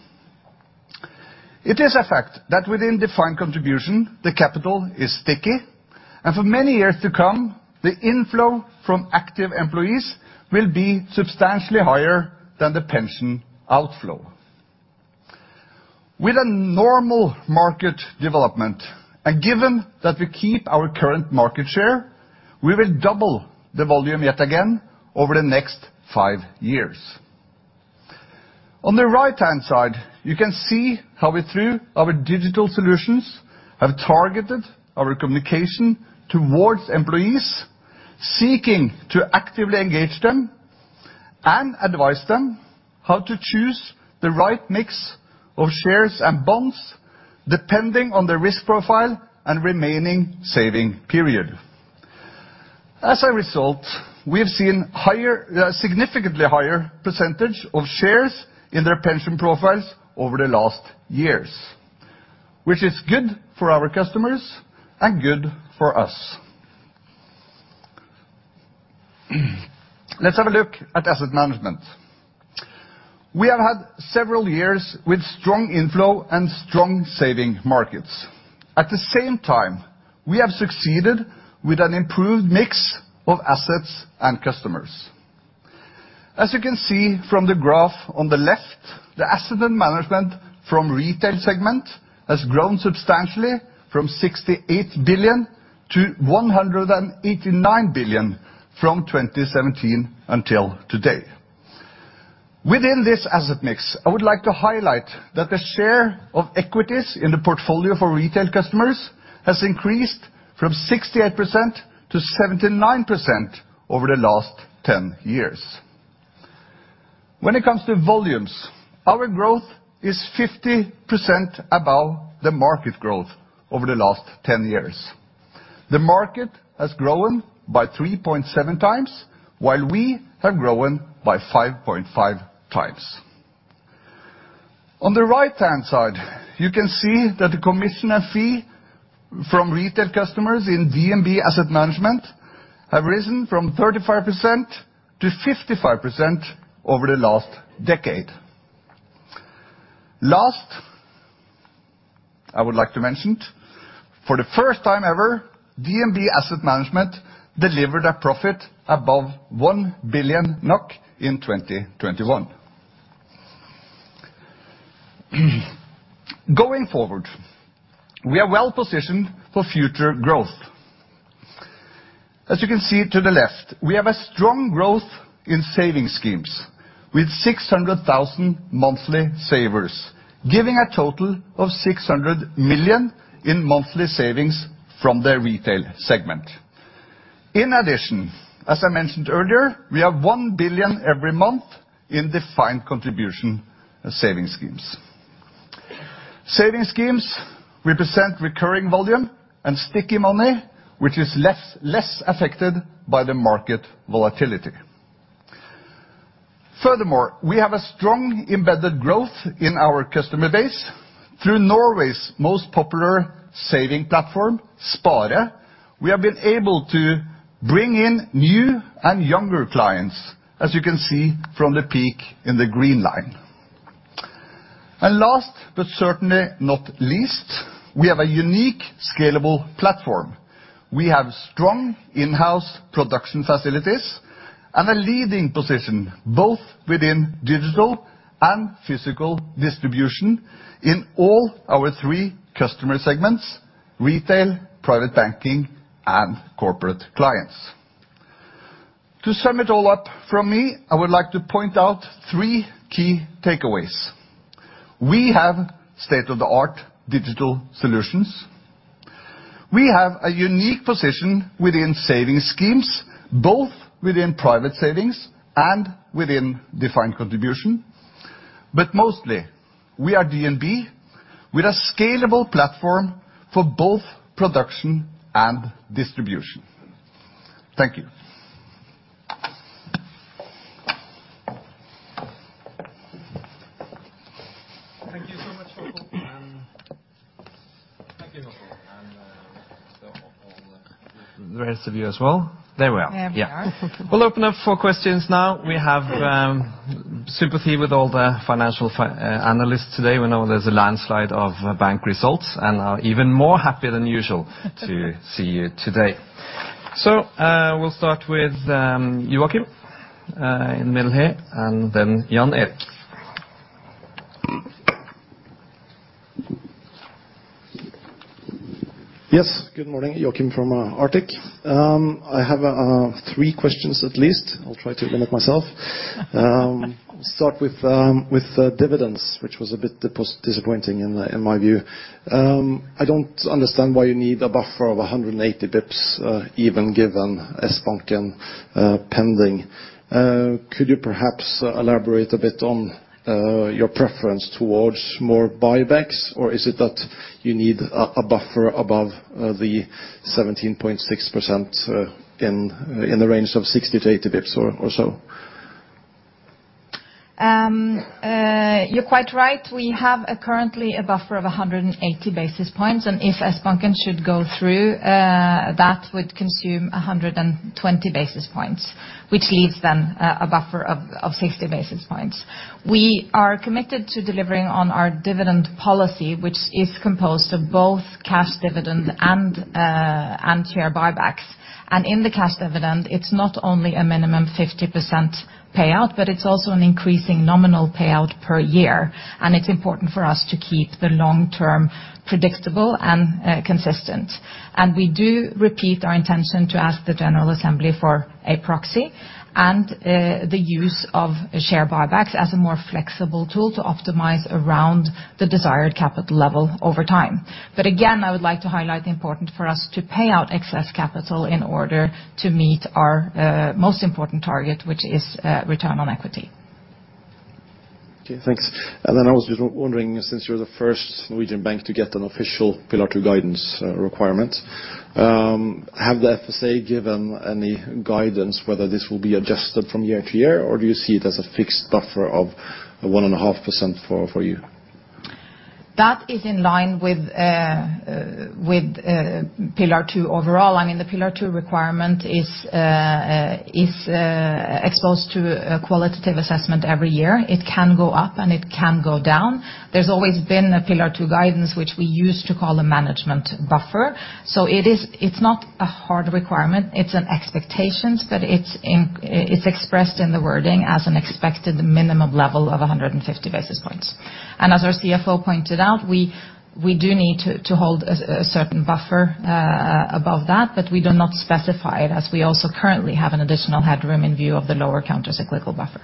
It is a fact that within defined contribution, the capital is sticky, and for many years to come, the inflow from active employees will be substantially higher than the pension outflow. With a normal market development, and given that we keep our current market share, we will double the volume yet again over the next five years. On the right-hand side, you can see how we, through our digital solutions, have targeted our communication towards employees, seeking to actively engage them and advise them how to choose the right mix of shares and bonds depending on their risk profile and remaining saving period. As a result, we have seen significantly higher percentage of shares in their pension profiles over the last years, which is good for our customers and good for us. Let's have a look at asset management. We have had several years with strong inflow and strong saving markets. At the same time, we have succeeded with an improved mix of assets and customers. As you can see from the graph on the left, the asset management from retail segment has grown substantially from 68 billion to 189 billion from 2017 until today. Within this asset mix, I would like to highlight that the share of equities in the portfolio for retail customers has increased from 68% to 79% over the last 10 years. When it comes to volumes, our growth is 50% above the market growth over the last 10 years. The market has grown by 3.7 times, while we have grown by 5.5 times. On the right-hand side, you can see that the commission and fee from retail customers in DNB Asset Management have risen from 35% to 55% over the last decade. Last, I would like to mention it, for the first time ever, DNB Asset Management delivered a profit above 1 billion NOK in 2021. Going forward, we are well-positioned for future growth. As you can see to the left, we have a strong growth in saving schemes with 600,000 monthly savers, giving a total of 600 million in monthly savings from the retail segment. In addition, as I mentioned earlier, we have 1 billion every month in defined contribution saving schemes. Saving schemes represent recurring volume and sticky money, which is less affected by the market volatility. Furthermore, we have a strong embedded growth in our customer base through Norway's most popular saving platform, Spare. We have been able to bring in new and younger clients, as you can see from the peak in the green line. Last, but certainly not least, we have a unique scalable platform. We have strong in-house production facilities and a leading position, both within digital and physical distribution in all our three customer segments, retail, private banking, and corporate clients. To sum it all up from me, I would like to point out three key takeaways. We have state-of-the-art digital solutions. We have a unique position within saving schemes, both within private savings and within defined contribution. Mostly, we are DNB with a scalable platform for both production and distribution. Thank you. Thank you so much, Håkon. Thank you, Håkon, and all the rest of you as well. There we are. There we are. We'll open up for questions now. We have sympathy with all the financial analysts today. We know there's a landslide of bank results, and are even more happy than usual to see you today. We'll start with Joakim in the middle here, and then Jan Erik. Yes. Good morning. Joakim from Arctic. I have three questions at least. I'll try to limit myself. Start with dividends, which was a bit disappointing in my view. I don't understand why you need a buffer of 180 basis points, even given Sbanken pending. Could you perhaps elaborate a bit on your preference towards more buybacks? Or is it that you need a buffer above the 17.6%, in the range of 60 basis points-80 basis points or so? You're quite right. We have currently a buffer of 180 basis points, and if Sbanken should go through, that would consume 120 basis points, which leaves then a buffer of 60 basis points. We are committed to delivering on our dividend policy, which is composed of both cash dividend and share buybacks. In the cash dividend, it's not only a minimum 50% payout, but it's also an increasing nominal payout per year. It's important for us to keep the long term predictable and consistent. We do repeat our intention to ask the general assembly for a proxy and the use of share buybacks as a more flexible tool to optimize around the desired capital level over time. Again, I would like to highlight the importance for us to pay out excess capital in order to meet our most important target, which is return on equity. Okay, thanks. I was just wondering, since you're the first Norwegian bank to get an official Pillar 2 guidance requirement, have the FSA given any guidance whether this will be adjusted from year-to-year, or do you see it as a fixed buffer of 1.5% for you? That is in line with Pillar 2 overall. I mean, the Pillar 2 requirement is exposed to a qualitative assessment every year. It can go up, and it can go down. There's always been a Pillar 2 guidance, which we used to call a management buffer. It is. It's not a hard requirement. It's an expectations, but it's expressed in the wording as an expected minimum level of 150 basis points. As our CFO pointed out, we do need to hold a certain buffer above that, but we do not specify it, as we also currently have an additional headroom in view of the lower countercyclical buffer.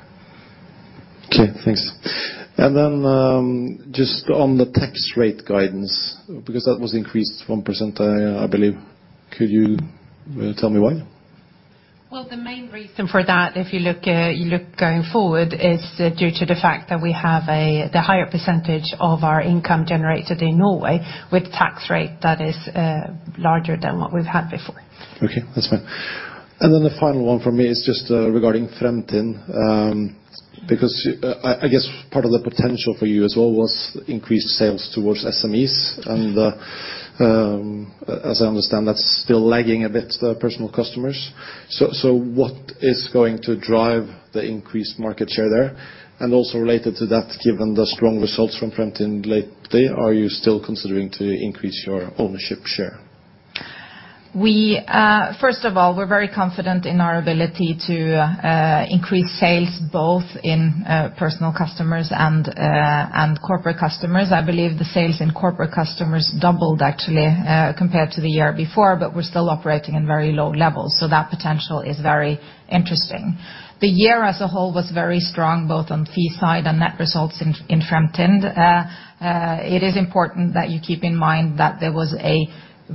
Okay, thanks. Just on the tax rate guidance, because that was increased 1%, I believe. Could you tell me why? Well, the main reason for that, if you look going forward, it's due to the fact that we have the higher percentage of our income generated in Norway with tax rate that is larger than what we've had before. Okay, that's fine. The final one from me is just regarding Fremtind because I guess part of the potential for you as well was increased sales towards SMEs. As I understand, that's still lagging a bit, the personal customers. What is going to drive the increased market share there? Also related to that, given the strong results from Fremtind lately, are you still considering to increase your ownership share? First of all, we're very confident in our ability to increase sales both in personal customers and corporate customers. I believe the sales in corporate customers doubled actually compared to the year before, but we're still operating in very low levels, so that potential is very interesting. The year as a whole was very strong, both on fee side and net results in Fremtind. It is important that you keep in mind that there was a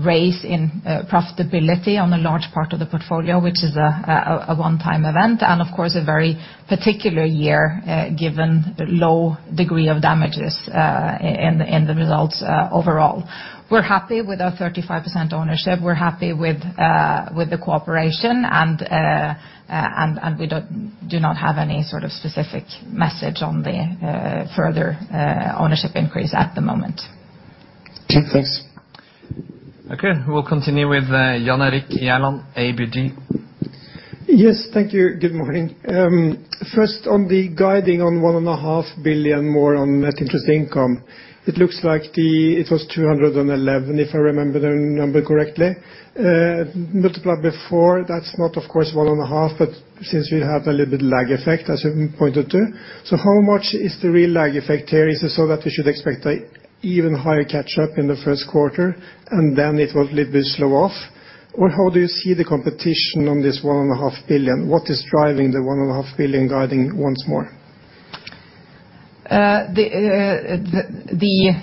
raise in profitability on a large part of the portfolio, which is a one-time event and, of course, a very particular year given low degree of damages in the results overall. We're happy with our 35% ownership. We're happy with the cooperation, and we do not have any sort of specific message on the further ownership increase at the moment. Okay, thanks. Okay. We'll continue with Jan Erik Gjerland, ABG. Yes, thank you. Good morning. First on the guidance on 1.5 billion more on net interest income, it looks like it was 211 million before, if I remember the number correctly. That's not, of course, 1.5 billion, but since we have a little bit lag effect, as you pointed to. How much is the real lag effect here? Is it so that we should expect a even higher catch-up in the first quarter, and then it will little bit slow off? Or how do you see the competition on this 1.5 billion? What is driving the 1.5 billion guidance once more? The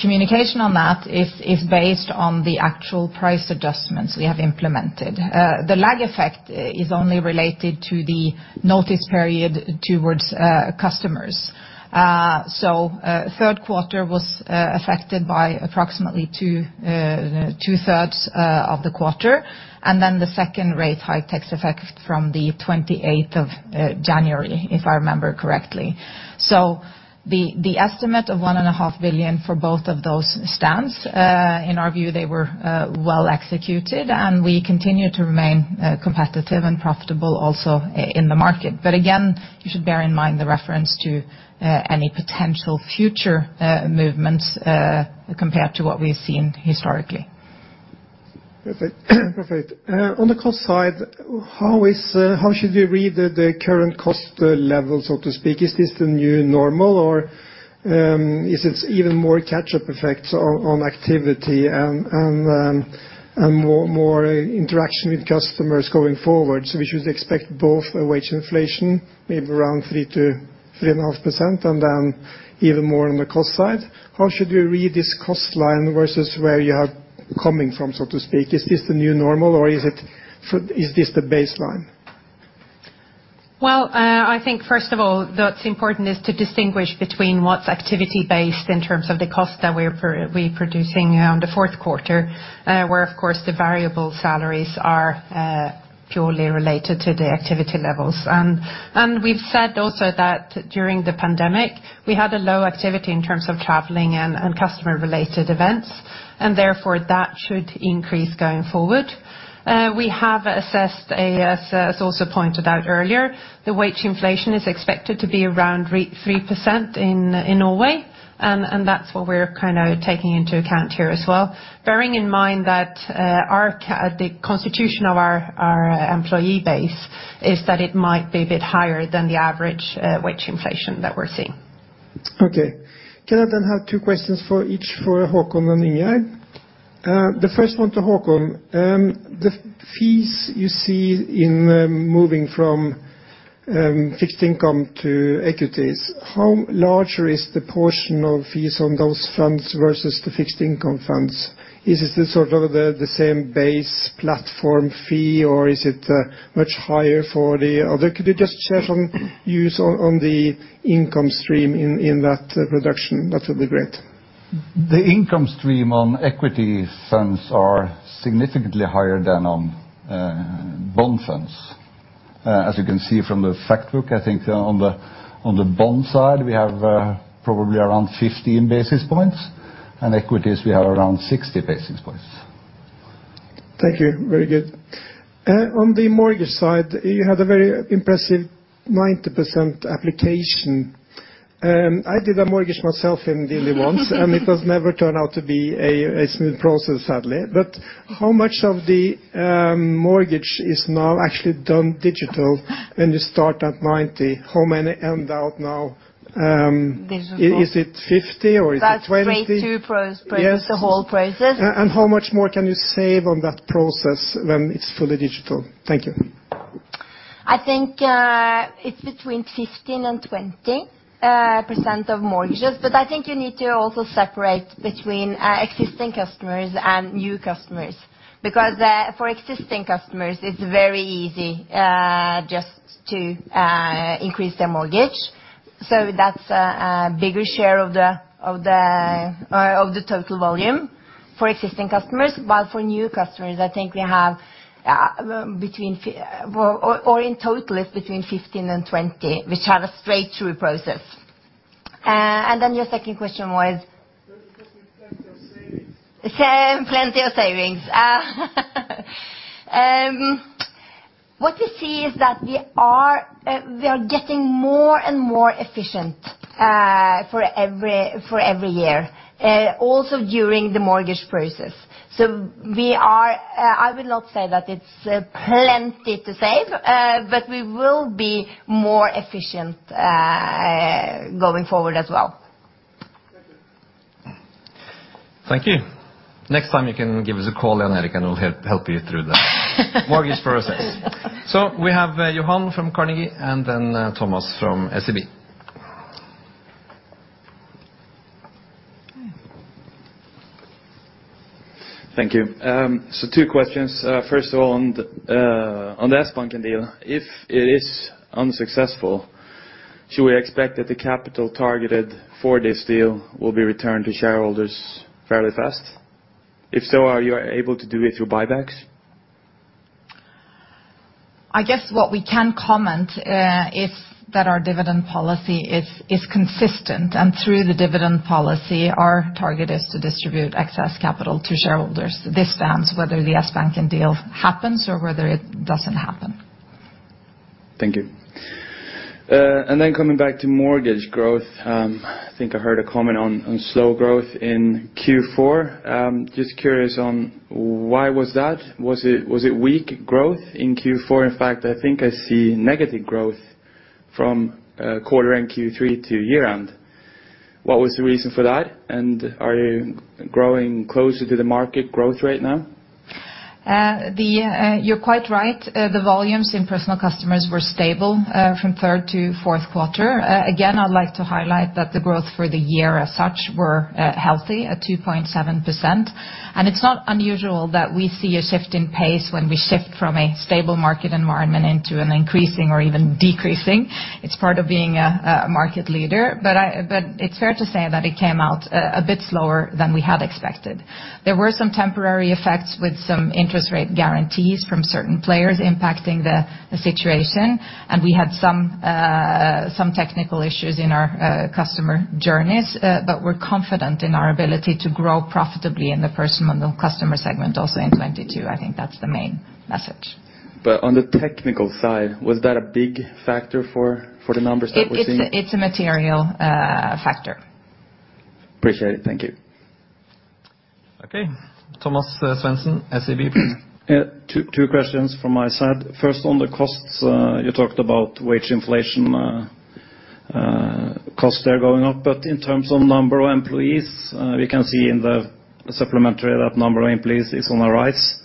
communication on that is based on the actual price adjustments we have implemented. The lag effect is only related to the notice period towards customers. Third quarter was affected by approximately two-thirds of the quarter, and then the second rate hike takes effect from the 28th of January, if I remember correctly. The estimate of 1.5 billion for both of those stands. In our view, they were well executed, and we continue to remain competitive and profitable also in the market. Again, you should bear in mind the reference to any potential future movements compared to what we've seen historically. On the cost side, how should we read the current cost level, so to speak? Is this the new normal, or is it even more catch-up effects on activity and more interaction with customers going forward? We should expect both a wage inflation, maybe around 3%-3.5%, and then even more on the cost side. How should we read this cost line versus where you are coming from, so to speak? Is this the new normal, or is this the baseline? I think first of all, what's important is to distinguish between what's activity based in terms of the cost that we're projecting in the fourth quarter, where, of course, the variable salaries are purely related to the activity levels. We've said also that during the pandemic, we had low activity in terms of traveling and customer related events, and therefore, that should increase going forward. We have assessed, as also pointed out earlier, the wage inflation is expected to be around 3% in Norway, and that's what we're kinda taking into account here as well. Bearing in mind that the composition of our employee base is that it might be a bit higher than the average wage inflation that we're seeing. Okay. Can I then have two questions for each for Håkon and Ingjerd? The first one to Håkon. The fees you see in moving from fixed income to equities, how larger is the portion of fees on those funds versus the fixed income funds? Is it sort of the same base platform fee, or is it much higher for the other? Could you just share some views on the income stream in that reduction? That would be great. The income stream on equity funds are significantly higher than on bond funds. As you can see from the fact book, I think on the bond side, we have probably around 15 basis points, and equities we have around 60 basis points. Thank you. Very good. On the mortgage side, you had a very impressive 90% application. I did a mortgage myself in DNB once, and it has never turned out to be a smooth process, sadly. How much of the mortgage is now actually done digitally when you start at 90%? How many end out now? Digital. Is it 50% or is it 20%? That's straight through processing the whole process. Yes. How much more can you save on that process when it's fully digital? Thank you. I think it's between 15%-20% of mortgages, but I think you need to also separate between existing customers and new customers. Because for existing customers, it's very easy just to increase their mortgage. That's a bigger share of the total volume for existing customers. While for new customers, I think we have. In total, it's between 15%-20%, which have a straight-through process. Then your second question was? There could be plenty of savings. What we see is that we are getting more and more efficient for every year, also during the mortgage process. I will not say that it's plenty to save, but we will be more efficient going forward as well. Thank you. Thank you. Next time you can give us a call, Jan-Erik, and we'll help you through the mortgage process. We have Johan from Carnegie and then Thomas from SEB. Thank you. Two questions. First of all, on the Sbanken deal, if it is unsuccessful, should we expect that the capital targeted for this deal will be returned to shareholders fairly fast? If so, are you able to do it through buybacks? I guess what we can comment is that our dividend policy is consistent, and through the dividend policy, our target is to distribute excess capital to shareholders. This stands whether the Sbanken deal happens or whether it doesn't happen. Thank you. Coming back to mortgage growth, I think I heard a comment on slow growth in Q4. Just curious on why was that? Was it weak growth in Q4? In fact, I think I see negative growth from quarter end Q3 to year-end. What was the reason for that? And are you growing closer to the market growth rate now? You're quite right. The volumes in personal customers were stable from third to fourth quarter. Again, I'd like to highlight that the growth for the year as such were healthy at 2.7%. It's not unusual that we see a shift in pace when we shift from a stable market environment into an increasing or even decreasing. It's part of being a market leader. It's fair to say that it came out a bit slower than we had expected. There were some temporary effects with some interest rate guarantees from certain players impacting the situation, and we had some technical issues in our customer journeys, but we're confident in our ability to grow profitably in the personal customer segment also in 2022. I think that's the main message. On the technical side, was that a big factor for the numbers that we're seeing? It's a material factor. Appreciate it. Thank you. Okay. Thomas Svendsen, SEB. Yeah, two questions from my side. First, on the costs, you talked about wage inflation, costs there going up. In terms of number of employees, we can see in the supplementary that number of employees is on the rise.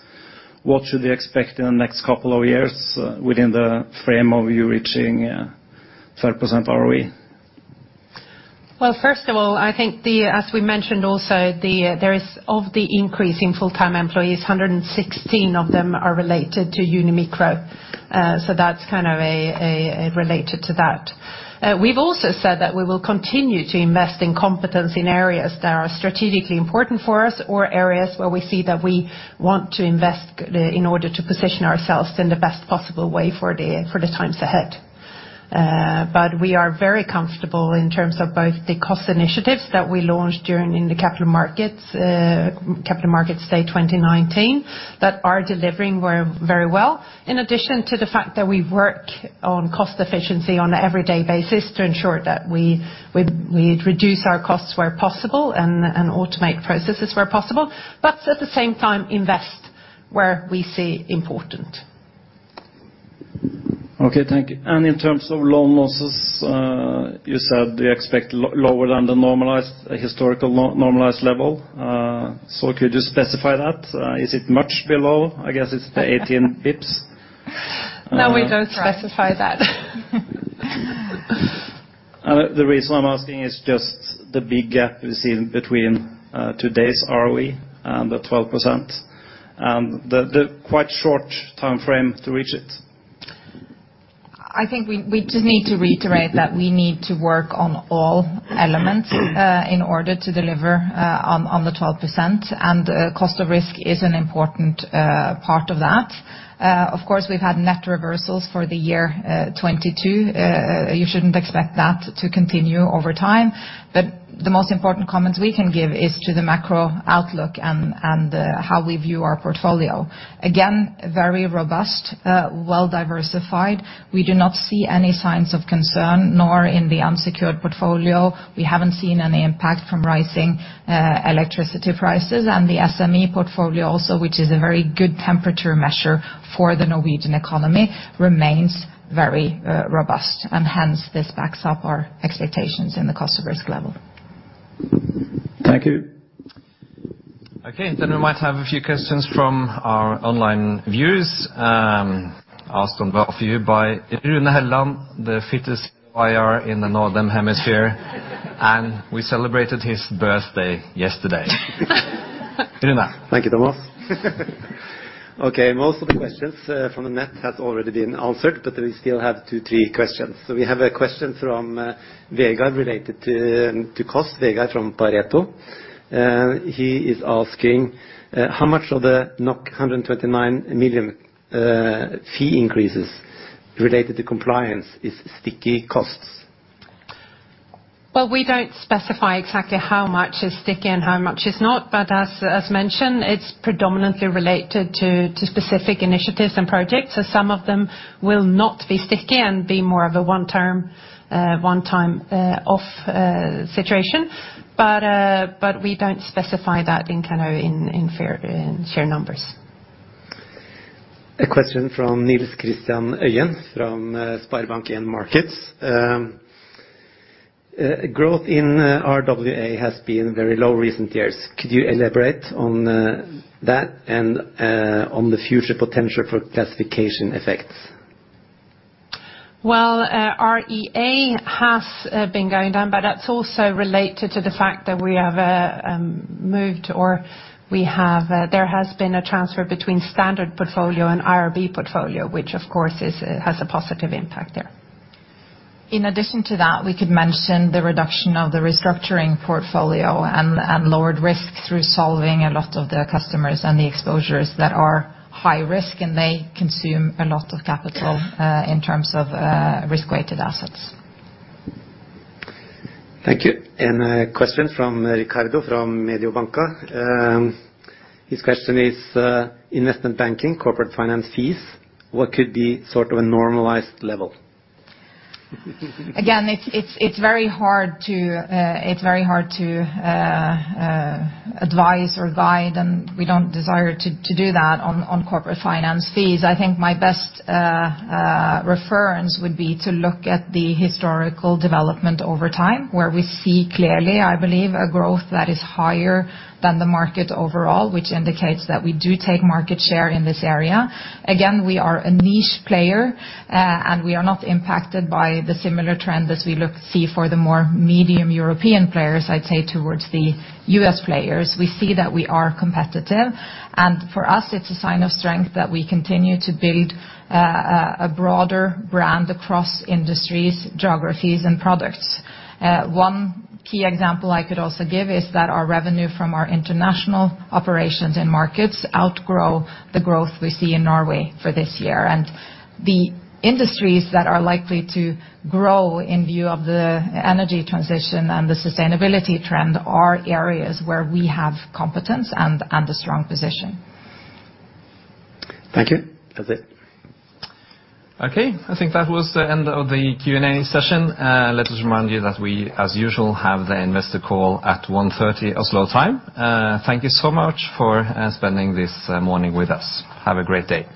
What should we expect in the next couple of years within the frame of you reaching 15% ROE? Well, first of all, I think, as we mentioned also, of the increase in full-time employees, 116 of them are related to Unimicro. So that's kind of related to that. We've also said that we will continue to invest in competence in areas that are strategically important for us or areas where we see that we want to invest in order to position ourselves in the best possible way for the times ahead. We are very comfortable in terms of both the cost initiatives that we launched during the Capital Markets Day 2019, that are delivering very, very well, in addition to the fact that we work on cost efficiency on an everyday basis to ensure that we reduce our costs where possible and automate processes where possible, but at the same time invest where we see important. Okay, thank you. In terms of loan losses, you said you expect lower than the normalized, historical normalized level. Could you specify that? Is it much below? I guess it's the 18 basis points. No, we don't specify that. The reason I'm asking is just the big gap we see between today's ROE and the 12%, and the quite short timeframe to reach it. I think we just need to reiterate that we need to work on all elements in order to deliver on the 12% and cost of risk is an important part of that. Of course, we've had net reversals for the year 2022. You shouldn't expect that to continue over time. The most important comments we can give is to the macro outlook and how we view our portfolio. Again, very robust, well-diversified. We do not see any signs of concern, nor in the unsecured portfolio. We haven't seen any impact from rising electricity prices. The SME portfolio also, which is a very good temperature measure for the Norwegian economy, remains very robust, and hence this backs up our expectations in the cost of risk level. Thank you. Okay, we might have a few questions from our online viewers asked on behalf of you by Rune Helland, the fittest IR in the Northern Hemisphere. We celebrated his birthday yesterday. Rune. Thank you, Thomas. Okay, most of the questions from the net has already been answered, but we still have two, three questions. We have a question from Vegard related to cost. Vegard from Pareto. He is asking how much of the 129 million fee increases related to compliance is sticky costs? Well, we don't specify exactly how much is sticky and how much is not, but as mentioned, it's predominantly related to specific initiatives and projects. Some of them will not be sticky and be more of a one-off situation. We don't specify that in kind of fair share numbers. A question from Nils Christian Øyen from SpareBank 1 Markets. Growth in RWA has been very low recent years. Could you elaborate on that and on the future potential for classification effects? Well, RWA has been going down, but that's also related to the fact that there has been a transfer between standard portfolio and IRB portfolio, which of course has a positive impact there. In addition to that, we could mention the reduction of the restructuring portfolio and lowered risk through resolving a lot of the customers and the exposures that are high risk, and they consume a lot of capital in terms of risk-weighted assets. Thank you. A question from Riccardo from Mediobanca. His question is, investment banking, corporate finance fees, what could be sort of a normalized level? It's very hard to advise or guide, and we don't desire to do that on corporate finance fees. I think my best reference would be to look at the historical development over time, where we see clearly, I believe, a growth that is higher than the market overall, which indicates that we do take market share in this area. Again, we are a niche player, and we are not impacted by the similar trend as we see for the more medium European players, I'd say towards the U.S. players. We see that we are competitive. For us, it's a sign of strength that we continue to build a broader brand across industries, geographies, and products. One key example I could also give is that our revenue from our international operations and markets outgrow the growth we see in Norway for this year. The industries that are likely to grow in view of the energy transition and the sustainability trend are areas where we have competence and a strong position. Thank you. That's it. Okay, I think that was the end of the Q&A session. Let us remind you that we, as usual, have the investor call at 1:30 P.M. Oslo time. Thank you so much for spending this morning with us. Have a great day.